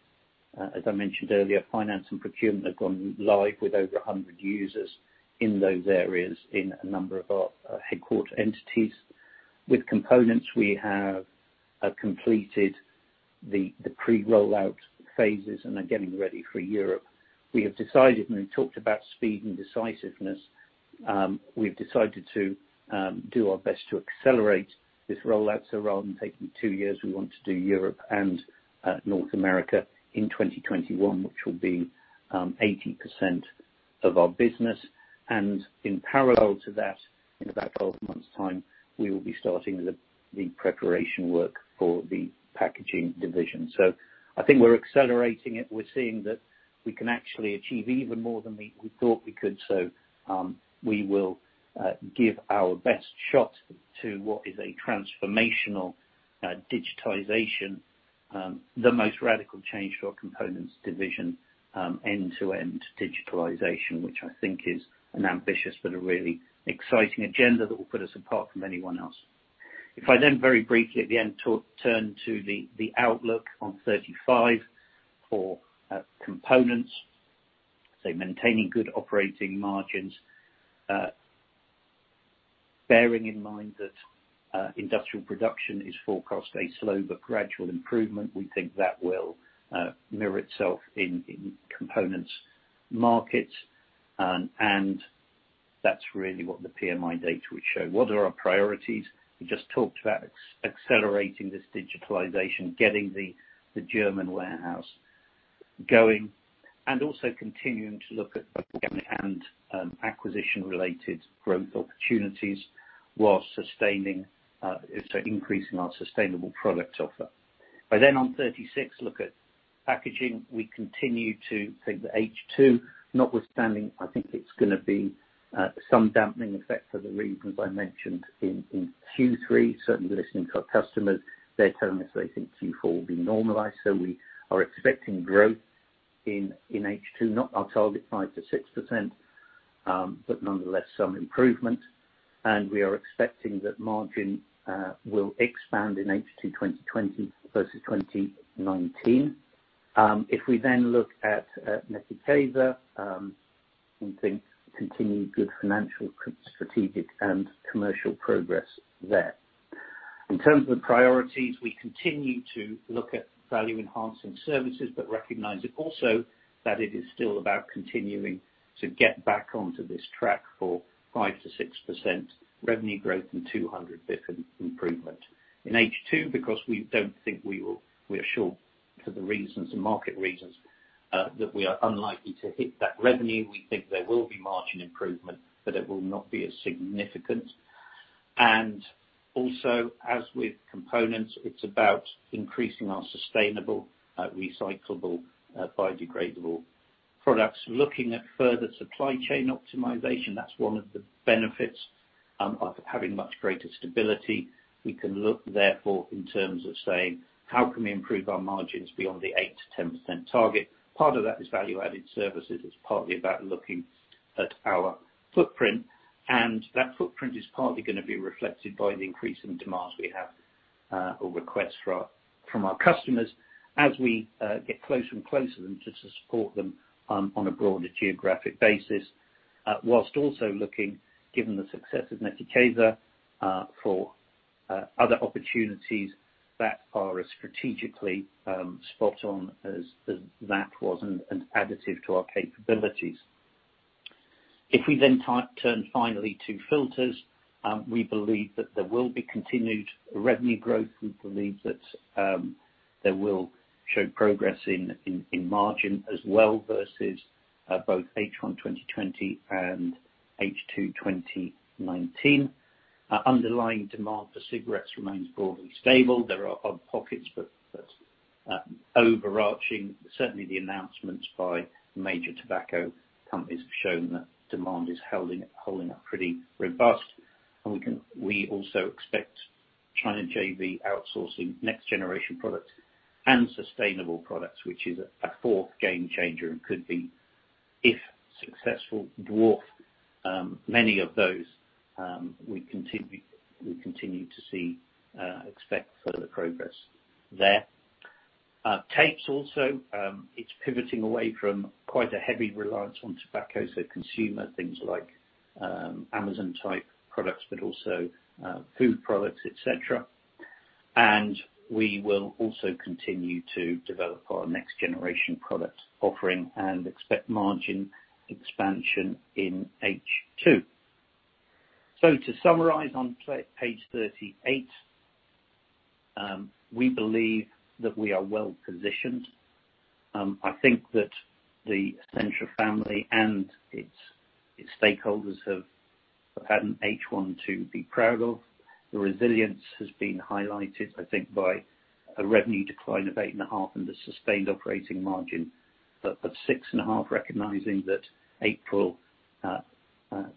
as I mentioned earlier, finance and procurement have gone live with over 100 users in those areas in a number of our headquarter entities. With Components, we have completed the pre-rollout phases and are getting ready for Europe. We have decided, when we talked about speed and decisiveness, we've decided to do our best to accelerate this rollout. Rather than taking two years, we want to do Europe and North America in 2021, which will be 80% of our business. In parallel to that, in about 12 months' time, we will be starting the preparation work for the packaging division. I think we're accelerating it. We're seeing that we can actually achieve even more than we thought we could. We will give our best shot to what is a transformational digitization, the most radical change to our components division, end-to-end digitalization, which I think is an ambitious but a really exciting agenda that will put us apart from anyone else. Very briefly at the end turn to the outlook on 35 for components, maintaining good operating margins. Bearing in mind that industrial production is forecast a slow but gradual improvement, we think that will mirror itself in components markets, and that's really what the PMI data would show. What are our priorities? We just talked about accelerating this digitalization, getting the German warehouse going, also continuing to look at organic and acquisition-related growth opportunities while increasing our sustainable product offer. I then on 36 look at packaging. We continue to think that H2, notwithstanding, I think it's going to be some dampening effect for the reasons I mentioned in Q3. Certainly we're listening to our customers. They're telling us they think Q4 will be normalized. We are expecting growth in H2, not our target 5%-6%, but nonetheless, some improvement. We are expecting that margin will expand in H2 2020 versus 2019. We then look at Essentra FZE continued good financial, strategic, and commercial progress there. In terms of priorities, we continue to look at value-enhancing services, but recognize it also that it is still about continuing to get back onto this track for 5%-6% revenue growth and 200 basis points improvement. In H2, because we don't think we are sure for the reasons and market reasons, that we are unlikely to hit that revenue. We think there will be margin improvement, it will not be as significant. Also, as with components, it's about increasing our sustainable, recyclable, biodegradable products. Looking at further supply chain optimization, that's one of the benefits of having much greater stability. We can look therefore in terms of saying, how can we improve our margins beyond the 8%-10% target? Part of that is value-added services. It's partly about looking at our footprint, and that footprint is partly going to be reflected by the increase in demand we have or requests from our customers as we get closer and closer to support them on a broader geographic basis. Whilst also looking, given the success of Nekicesa, for other opportunities that are as strategically spot on as that was and additive to our capabilities. If we then turn finally to filters, we believe that there will be continued revenue growth. We believe that there will show progress in margin as well versus both H1 2020 and H2 2019. Underlying demand for cigarettes remains broadly stable. There are odd pockets, but overarching, certainly the announcements by major tobacco companies have shown that demand is holding up pretty robust. We also expect China JV outsourcing next generation products and sustainable products, which is a fourth game changer and could, if successful, dwarf many of those. We continue to expect further progress there. Tapes also, it's pivoting away from quite a heavy reliance on tobacco. Consumer things like Amazon type products, but also food products, et cetera. We will also continue to develop our next generation product offering and expect margin expansion in H2. To summarize on page 38, we believe that we are well-positioned. I think that the Essentra family and its stakeholders have had an H1 to be proud of. The resilience has been highlighted, I think by a revenue decline of eight and a half and a sustained operating margin of six and a half, recognizing that April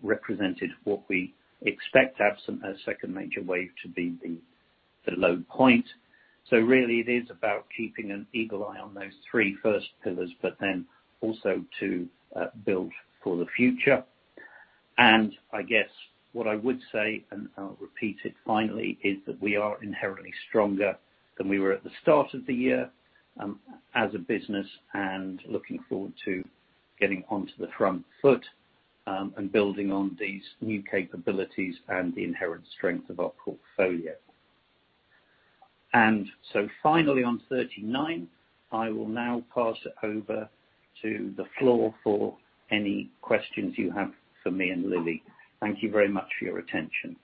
represented what we expect to have a second major wave to be the low point. Really it is about keeping an eagle eye on those three first pillars, but then also to build for the future. I guess what I would say, and I'll repeat it finally, is that we are inherently stronger than we were at the start of the year, as a business, and looking forward to getting onto the front foot, and building on these new capabilities and the inherent strength of our portfolio. Finally on 39, I will now pass it over to the floor for any questions you have for me and Lily. Thank you very much for your attention.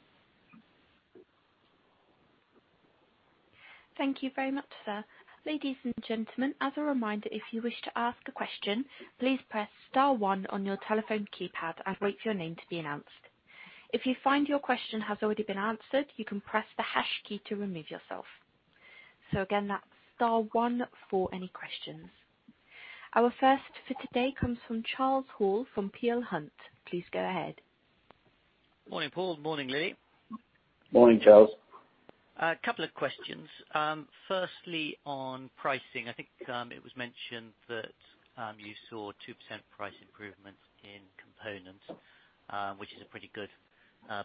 Thank you very much, sir. Ladies and gentlemen, as a reminder, if you wish to ask a question, please press star one on your telephone keypad and wait for your name to be announced. If you find your question has already been answered, you can press the hash key to remove yourself. So again, that's star one for any questions. Our first for today comes from Charles Hall from Peel Hunt. Please go ahead. Morning, Paul. Morning, Lily. Morning, Charles. A couple of questions. Firstly, on pricing, I think it was mentioned that you saw 2% price improvement in components, which is a pretty good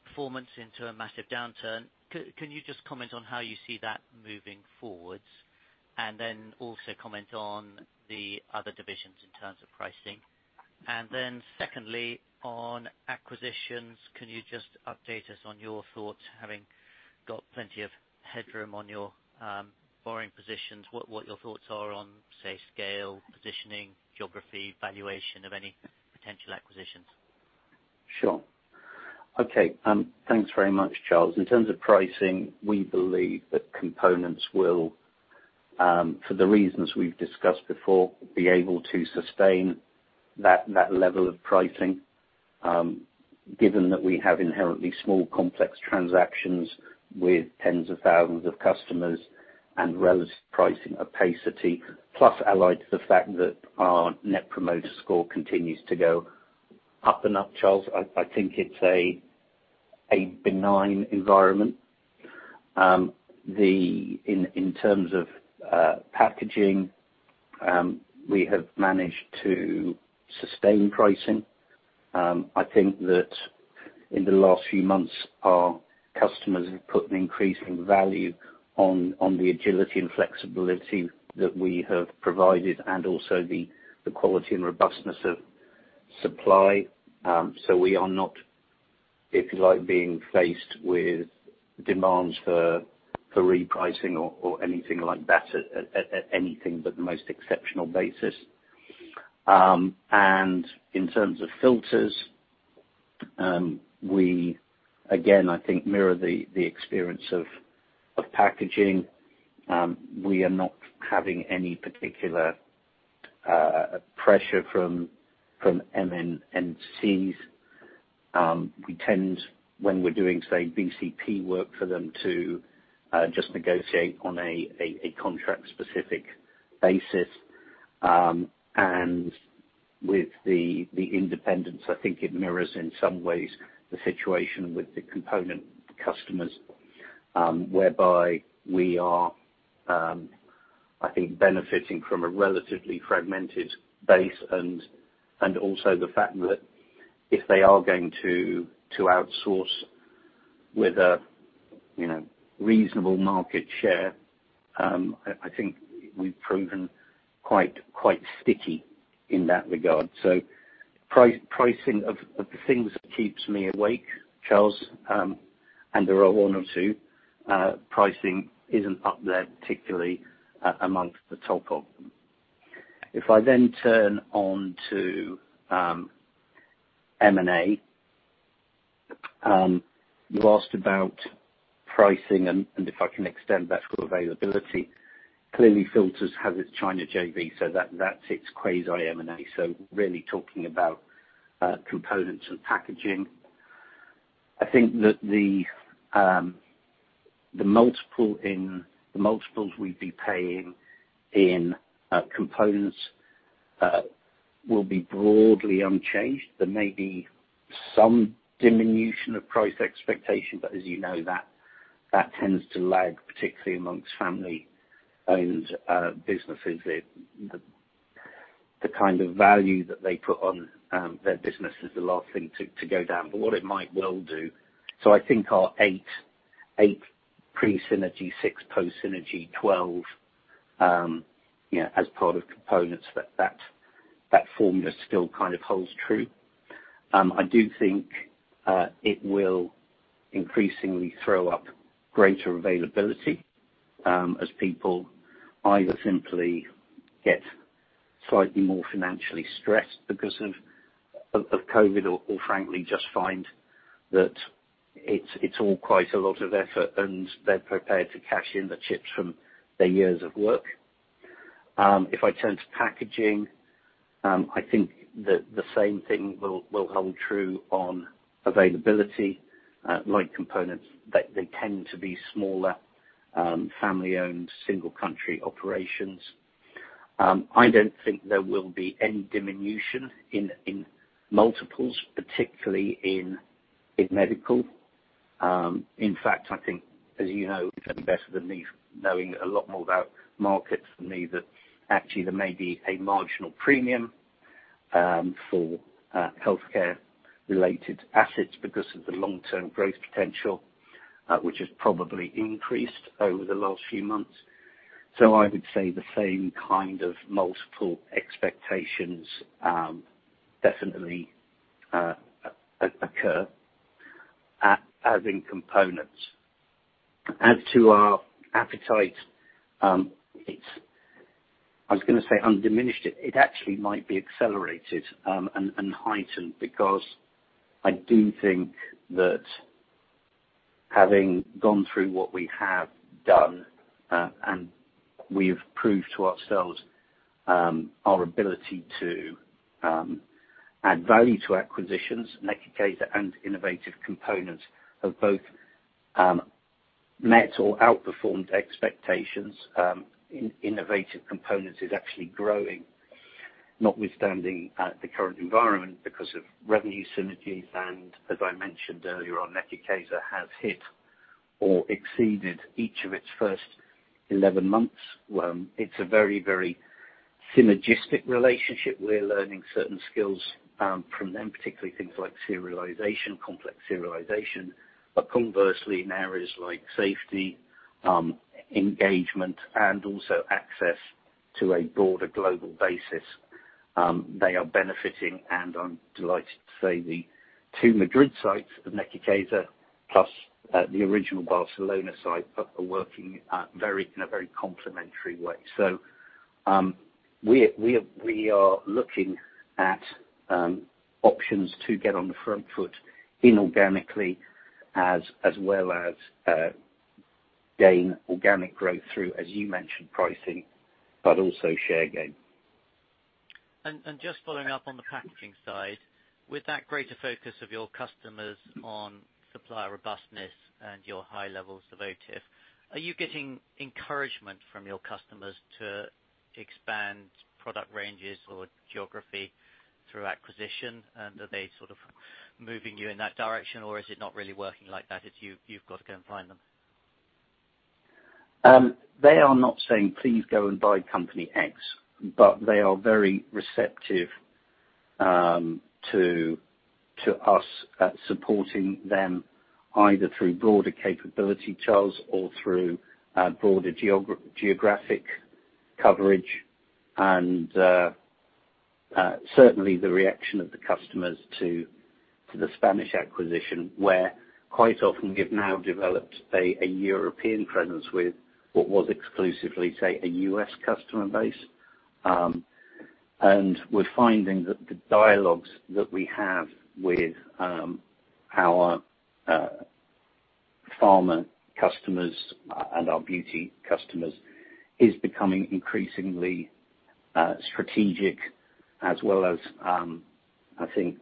performance into a massive downturn. Can you just comment on how you see that moving forwards? Also comment on the other divisions in terms of pricing. Secondly, on acquisitions, can you just update us on your thoughts, having got plenty of headroom on your borrowing positions, what your thoughts are on say, scale, positioning, geography, valuation of any potential acquisitions? Sure. Okay. Thanks very much, Charles. In terms of pricing, we believe that components will, for the reasons we've discussed before, be able to sustain that level of pricing, given that we have inherently small, complex transactions with 10s of 1,000s of customers and relative pricing opacity, plus allied to the fact that our Net Promoter Score continues to go up and up, Charles, I think it's a benign environment. In terms of packaging, we have managed to sustain pricing. In the last few months, our customers have put an increasing value on the agility and flexibility that we have provided, and also the quality and robustness of supply. We are not, if you like, being faced with demands for repricing or anything like that at anything but the most exceptional basis. In terms of filters, we, again, I think mirror the experience of packaging. We are not having any particular pressure from MNCs. We tend, when we're doing, say, BCP work for them, to just negotiate on a contract-specific basis. With the independents, I think it mirrors in some ways the situation with the component customers, whereby we are, I think, benefiting from a relatively fragmented base and also the fact that if they are going to outsource with a reasonable market share, I think we've proven quite sticky in that regard. Pricing, of the things that keeps me awake, Charles, and there are one or two, pricing isn't up there, particularly amongst the top of them. If I then turn on to M&A, you asked about pricing and if I can extend that to availability. Clearly, filters has its China JV, so that's its quasi M&A. Really talking about components and packaging. I think that the multiples we'd be paying in components will be broadly unchanged. There may be some diminution of price expectation. As you know, that tends to lag, particularly amongst family-owned businesses. The kind of value that they put on their business is the last thing to go down. I think our 8x pre-synergy, 6x post-synergy, 12x as part of components, that formula still kind of holds true. I do think it will increasingly throw up greater availability, as people either simply get slightly more financially stressed because of COVID-19 or frankly just find that it's all quite a lot of effort and they're prepared to cash in the chips from their years of work. If I turn to packaging, I think that the same thing will hold true on availability. Like components, they tend to be smaller, family-owned, single country operations. I don't think there will be any diminution in multiples, particularly in medical. I think, as you know better than me, knowing a lot more about markets than me, that actually there may be a marginal premium for healthcare-related assets because of the long-term growth potential, which has probably increased over the last few months. I would say the same kind of multiple expectations definitely occur as in components. As to our appetite, I was going to say undiminished. It actually might be accelerated and heightened because I do think that having gone through what we have done, and we've proved to ourselves our ability to add value to acquisitions, Nekicesa and Innovative Components have both met or outperformed expectations. Innovative Components is actually growing, notwithstanding the current environment because of revenue synergies, and as I mentioned earlier on, Nekicesa has hit or exceeded each of its first 11 months. It's a very synergistic relationship. We're learning certain skills from them, particularly things like serialization, complex serialization. Conversely, in areas like safety, engagement, and also access to a broader global basis, they are benefiting, and I'm delighted to say the two Madrid sites of Nekicesa, plus the original Barcelona site, are working in a very complementary way. We are looking at options to get on the front foot inorganically, as well as gain organic growth through, as you mentioned, pricing, but also share gain. Just following up on the packaging side, with that greater focus of your customers on supplier robustness and your high levels of OTIF, are you getting encouragement from your customers to expand product ranges or geography through acquisition? Are they sort of moving you in that direction, or is it not really working like that, it's you've got to go and find them? They are not saying, please go and buy company X, but they are very receptive to us supporting them either through broader capability, Charles, or through broader geographic coverage. Certainly the reaction of the customers to the Spanish acquisition, where quite often we've now developed a European presence with what was exclusively, say, a US customer base. We're finding that the dialogues that we have with our pharma customers and our beauty customers is becoming increasingly strategic as well as, I think,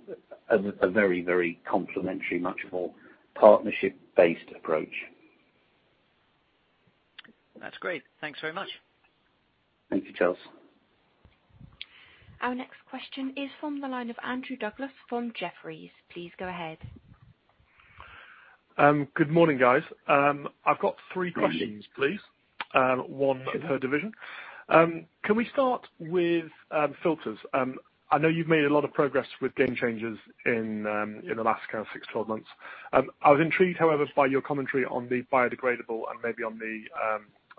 a very complimentary, much more partnership-based approach. That's great. Thanks very much. Thank you, Charles. Our next question is from the line of Andrew Douglas from Jefferies. Please go ahead. Good morning, guys. I've got three questions, please. One per division. Can we start with Filters? I know you've made a lot of progress with game changes in the last six, 12 months. I was intrigued, however, by your commentary on the biodegradable and maybe on the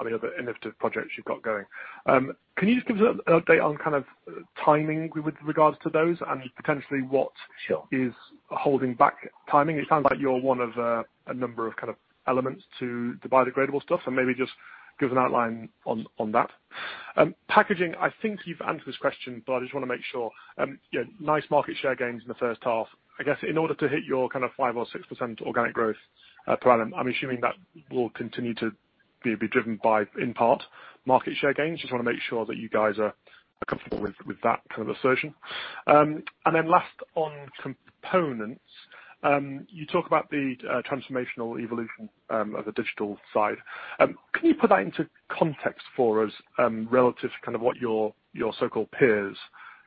other innovative projects you've got going. Can you just give us an update on timing with regards to those and potentially what. Sure Is holding back timing? It sounds like you're one of a number of elements to the biodegradable stuff, and maybe just give an outline on that. Packaging, I think you've answered this question, but I just want to make sure. Nice market share gains in the first half. I guess in order to hit your 5% or 6% organic growth per annum, I'm assuming that will continue to be driven by, in part, market share gains. Just want to make sure that you guys are comfortable with that kind of assertion. Last on components, you talk about the transformational evolution of the digital side. Can you put that into context for us relative to what your so-called peers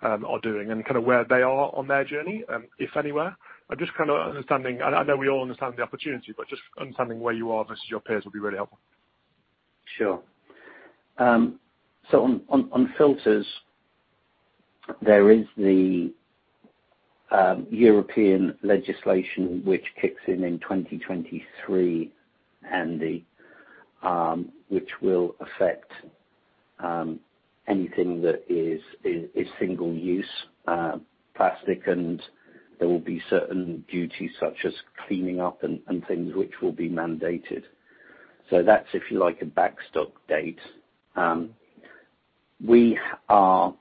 are doing and where they are on their journey, if anywhere? I know we all understand the opportunity, but just understanding where you are versus your peers would be really helpful. Sure. On filters, there is the European legislation which kicks in in 2023, Andrew, which will affect anything that is single-use plastic, and there will be certain duties such as cleaning up and things which will be mandated. That's, if you like, a backstop date. We are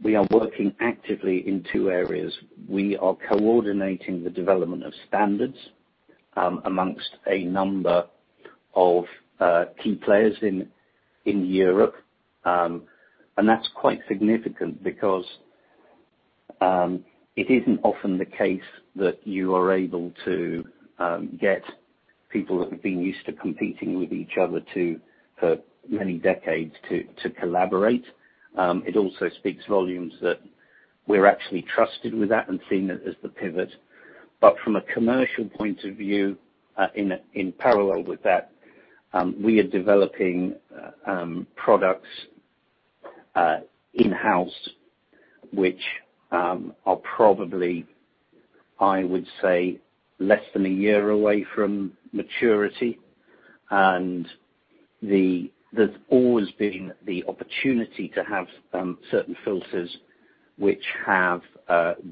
working actively in two areas. We are coordinating the development of standards amongst a number of key players in Europe. That's quite significant because it isn't often the case that you are able to get people that have been used to competing with each other for many decades to collaborate. It also speaks volumes that we're actually trusted with that and seen as the pivot. From a commercial point of view, in parallel with that, we are developing products in-house, which are probably, I would say, less than a year away from maturity. There's always been the opportunity to have certain filters which have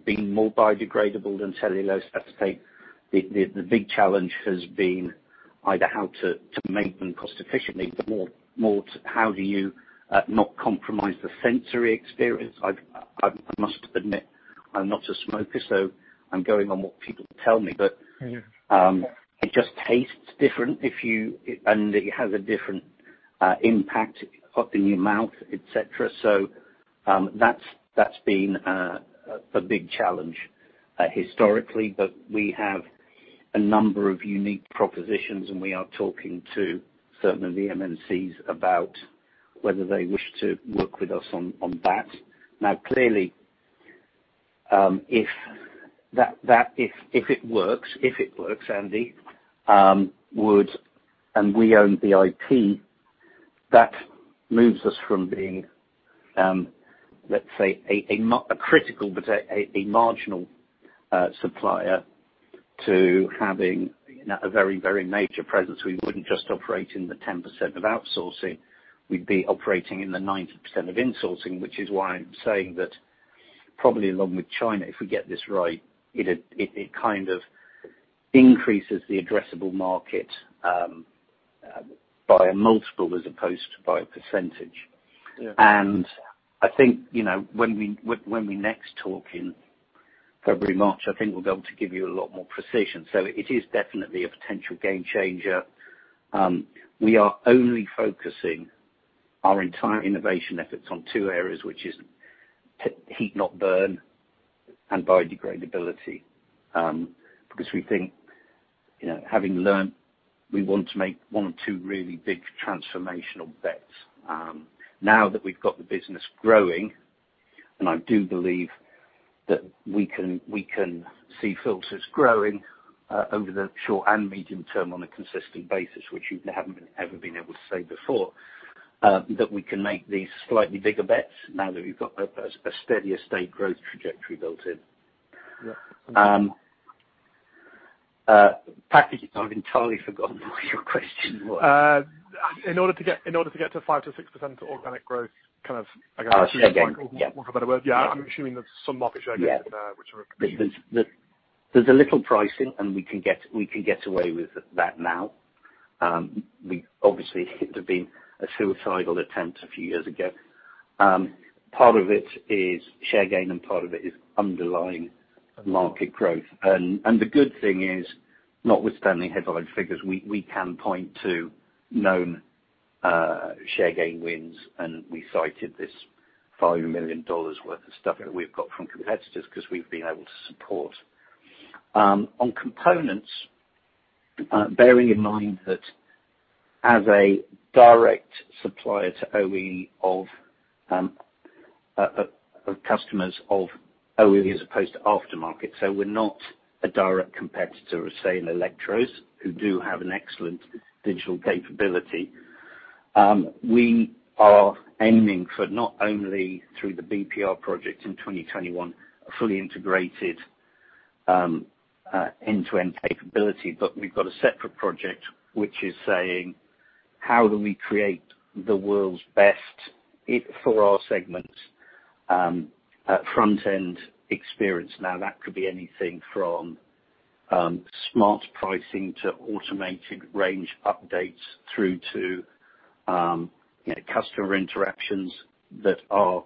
been more biodegradable than cellulose acetate. The big challenge has been either how to make them cost efficiently, but more to how do you not compromise the sensory experience. I must admit, I'm not a smoker, so I'm going on what people tell me. Yeah It just tastes different and it has a different impact up in your mouth, et cetera. That's been a big challenge historically, but we have a number of unique propositions, and we are talking to certain of the MNCs about whether they wish to work with us on that. Clearly, if it works, Andrew, and we own the IP, that moves us from being, let's say, a critical but a marginal supplier to having a very major presence. We wouldn't just operate in the 10% of outsourcing, we'd be operating in the 90% of insourcing, which is why I'm saying that probably along with China, if we get this right, it kind of increases the addressable market by a multiple as opposed to by a percentage. Yeah. I think, when we next talk in February, March, I think we'll be able to give you a lot more precision. It is definitely a potential game changer. We are only focusing our entire innovation efforts on two areas, which is Heat-not-burn and biodegradability. We think, having learned, we want to make one or two really big transformational bets. Now that we've got the business growing-And I do believe that we can see filters growing over the short and medium term on a consistent basis, which you haven't ever been able to say before, that we can make these slightly bigger bets now that we've got a steadier state growth trajectory built in. Yeah. Andrew, I've entirely forgotten what your question was. In order to get to 5%-6% organic growth. Oh, share gain. Yeah. for want of a better word. Yeah. I'm assuming there's some market share gains in there. There's a little pricing, and we can get away with that now. Obviously, it would have been a suicidal attempt a few years ago. Part of it is share gain, and part of it is underlying market growth. The good thing is, notwithstanding headline figures, we can point to known share gain wins, and we cited this GBP 5 million worth of stuff that we've got from competitors because we've been able to support. On components, bearing in mind that as a direct supplier to OE of customers of OE as opposed to aftermarket, so we're not a direct competitor of, say, Electros, who do have an excellent digital capability. We are aiming for not only through the BPR project in 2021, a fully integrated end-to-end capability, but we've got a separate project which is saying, how do we create the world's best for our segments, front-end experience? That could be anything from smart pricing to automated range updates through to customer interactions that are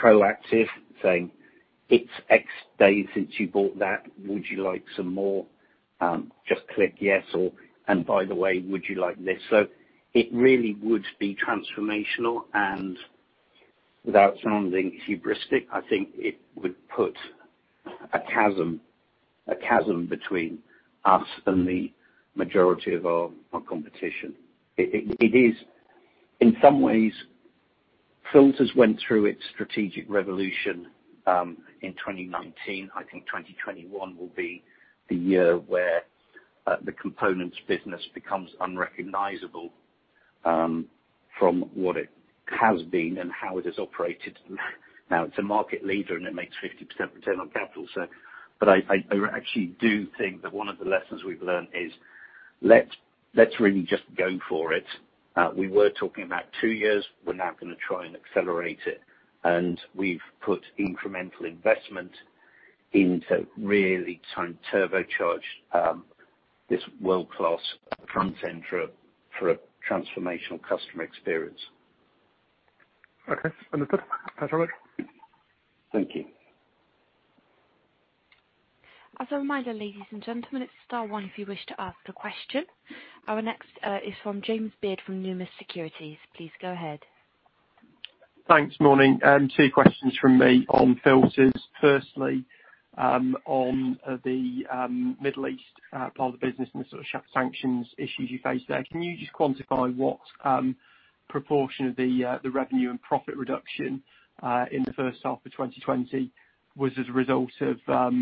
proactive, saying, "It's X days since you bought that. Would you like some more? Just click yes. And by the way, would you like this?" It really would be transformational, and without sounding hubristic, I think it would put a chasm between us and the majority of our competition. In some ways, filters went through its strategic revolution in 2019. I think 2021 will be the year where the components business becomes unrecognizable from what it has been and how it has operated. It's a market leader, and it makes 50% return on capital. I actually do think that one of the lessons we've learned is let's really just go for it. We were talking about two years. We're now going to try and accelerate it, and we've put incremental investment into really trying to turbocharge this world-class front end for a transformational customer experience. Okay. Understood. Thanks a lot. Thank you. As a reminder, ladies and gentlemen, it's star one if you wish to ask a question. Our next is from James Beard from Numis Securities. Please go ahead. Thanks. Morning. Two questions from me on filters. Firstly, on the Middle East part of the business and the sort of sanctions issues you face there. Can you just quantify what proportion of the revenue and profit reduction in the first half of 2020 was as a result of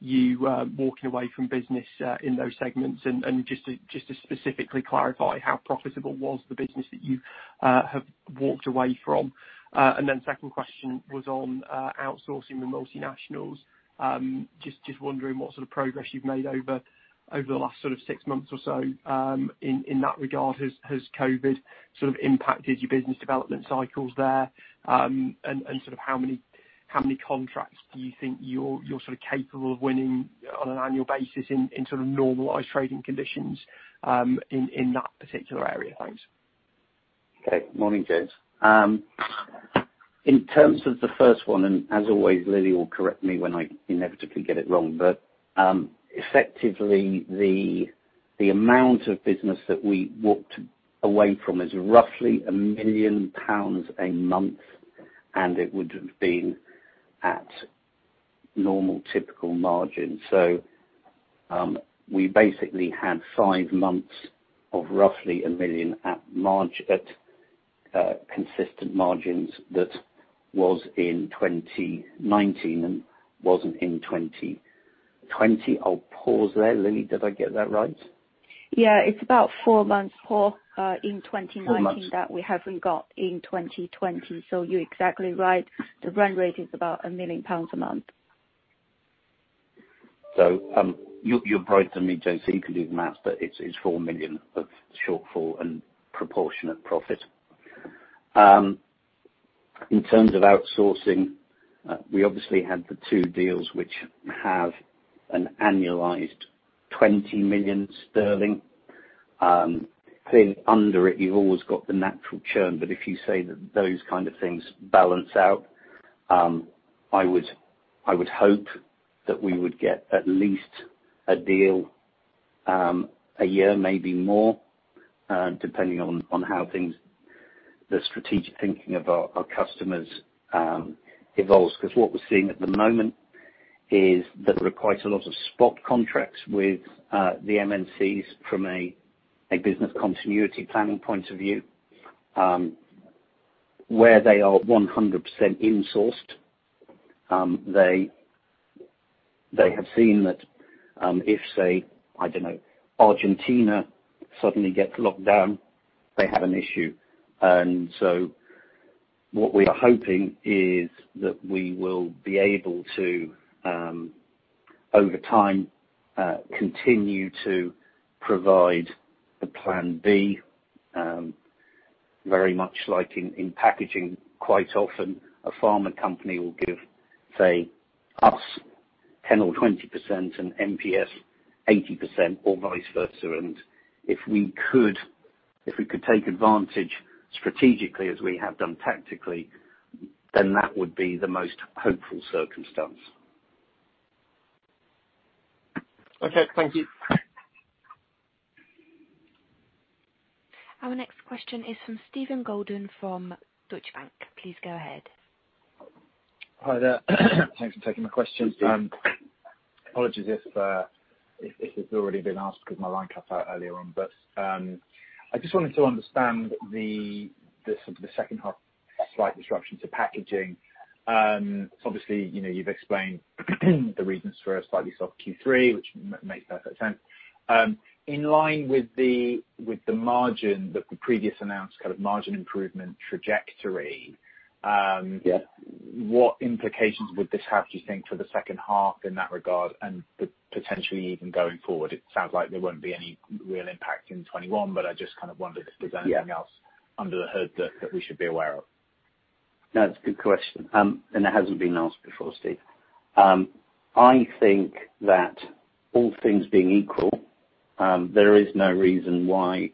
you walking away from business in those segments? Just to specifically clarify, how profitable was the business that you have walked away from? Then second question was on outsourcing the multinationals. Just wondering what sort of progress you've made over the last six months or so in that regard. Has COVID sort of impacted your business development cycles there? How many contracts do you think you're capable of winning on an annual basis in normalized trading conditions in that particular area? Thanks. Okay. Morning, James. In terms of the first one, as always, Lily will correct me when I inevitably get it wrong, but effectively the amount of business that we walked away from is roughly 1 million pounds a month. It would have been at normal, typical margin. We basically had five months of roughly 1 million at consistent margins that was in 2019 and wasn't in 2020. I'll pause there. Lily, did I get that right? Yeah. It's about four months, Paul, in 2019. Four months that we haven't got in 2020. You're exactly right. The run rate is about 1 million pounds a month. You're brighter than me, James, so you can do the math, but it's 4 million of shortfall and proportionate profit. In terms of outsourcing, we obviously had the two deals which have an annualized 20 million sterling. Under it, you've always got the natural churn, but if you say that those kind of things balance out, I would hope that we would get at least a deal a year, maybe more, depending on how the strategic thinking of our customers evolves, because what we're seeing at the moment is that there are quite a lot of spot contracts with the MNCs from a business continuity planning point of view, where they are 100% in-sourced. They have seen that if, say, I don't know, Argentina suddenly gets locked down, they have an issue. What we are hoping is that we will be able to, over time, continue to provide a plan B, very much like in packaging, quite often a pharma company will give, say, us 10% or 20%, and MPS 80% or vice versa. If we could take advantage strategically as we have done tactically, then that would be the most hopeful circumstance. Okay. Thank you. Our next question is from Stephen Goulden from Deutsche Bank. Please go ahead. Hi there. Thanks for taking my question. Thank you. Apologies if this has already been asked because my line cut out earlier on. I just wanted to understand the second half slight disruption to packaging in line with the margin that the previously announced kind of margin improvement trajectory? Obviously, you've explained the reasons for a slightly soft Q3, which makes perfect sense. Yes What implications would this have, do you think, for the second half in that regard and potentially even going forward? It sounds like there won't be any real impact in 2021, but I just kind of wondered if there's anything else. Yeah under the hood that we should be aware of. No, it's a good question. It hasn't been asked before, Stephen. I think that all things being equal, there is no reason why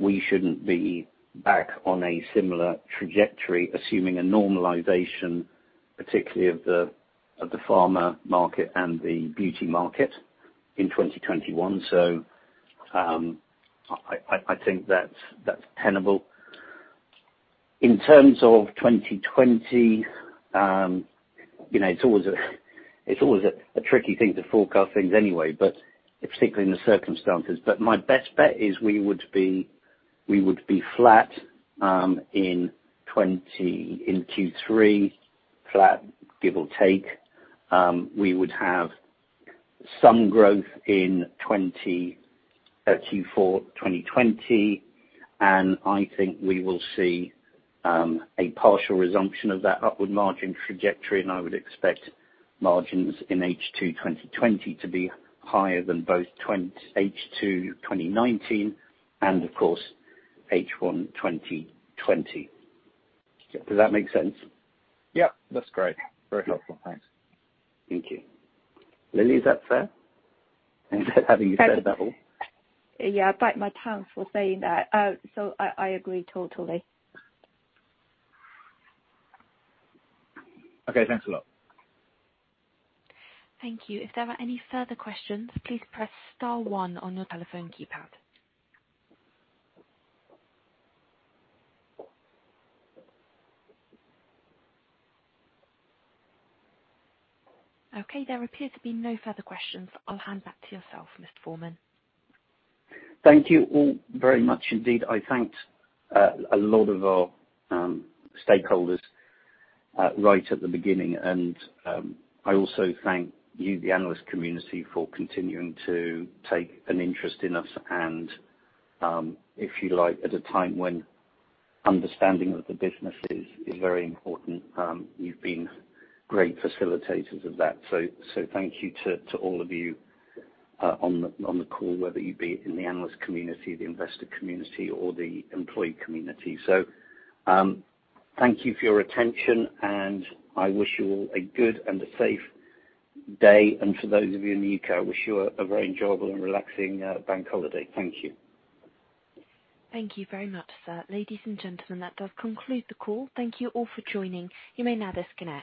we shouldn't be back on a similar trajectory, assuming a normalization, particularly of the pharma market and the beauty market in 2021. I think that's tenable. In terms of 2020, it's always a tricky thing to forecast things anyway, but particularly in the circumstances. My best bet is we would be flat in Q3, flat, give or take. We would have some growth in Q4 2020, and I think we will see a partial resumption of that upward margin trajectory, and I would expect margins in H2 2020 to be higher than both H2 2019 and of course H1 2020. Does that make sense? Yeah. That's great. Very helpful. Thanks. Thank you. Lily, is that fair? Yeah. I bite my tongue for saying that. I agree totally. Okay. Thanks a lot. Thank you. If there are any further questions, please press star one on your telephone keypad. Okay, there appear to be no further questions. I'll hand back to yourself, Mr. Forman. Thank you all very much indeed. I thanked a lot of our stakeholders right at the beginning, and I also thank you, the analyst community, for continuing to take an interest in us and if you like at a time when understanding of the business is very important, you've been great facilitators of that. Thank you to all of you on the call, whether you be in the analyst community, the investor community, or the employee community. Thank you for your attention, and I wish you all a good and a safe day. For those of you in the U.K., I wish you a very enjoyable and relaxing bank holiday. Thank you. Thank you very much, sir. Ladies and gentlemen, that does conclude the call. Thank you all for joining. You may now disconnect.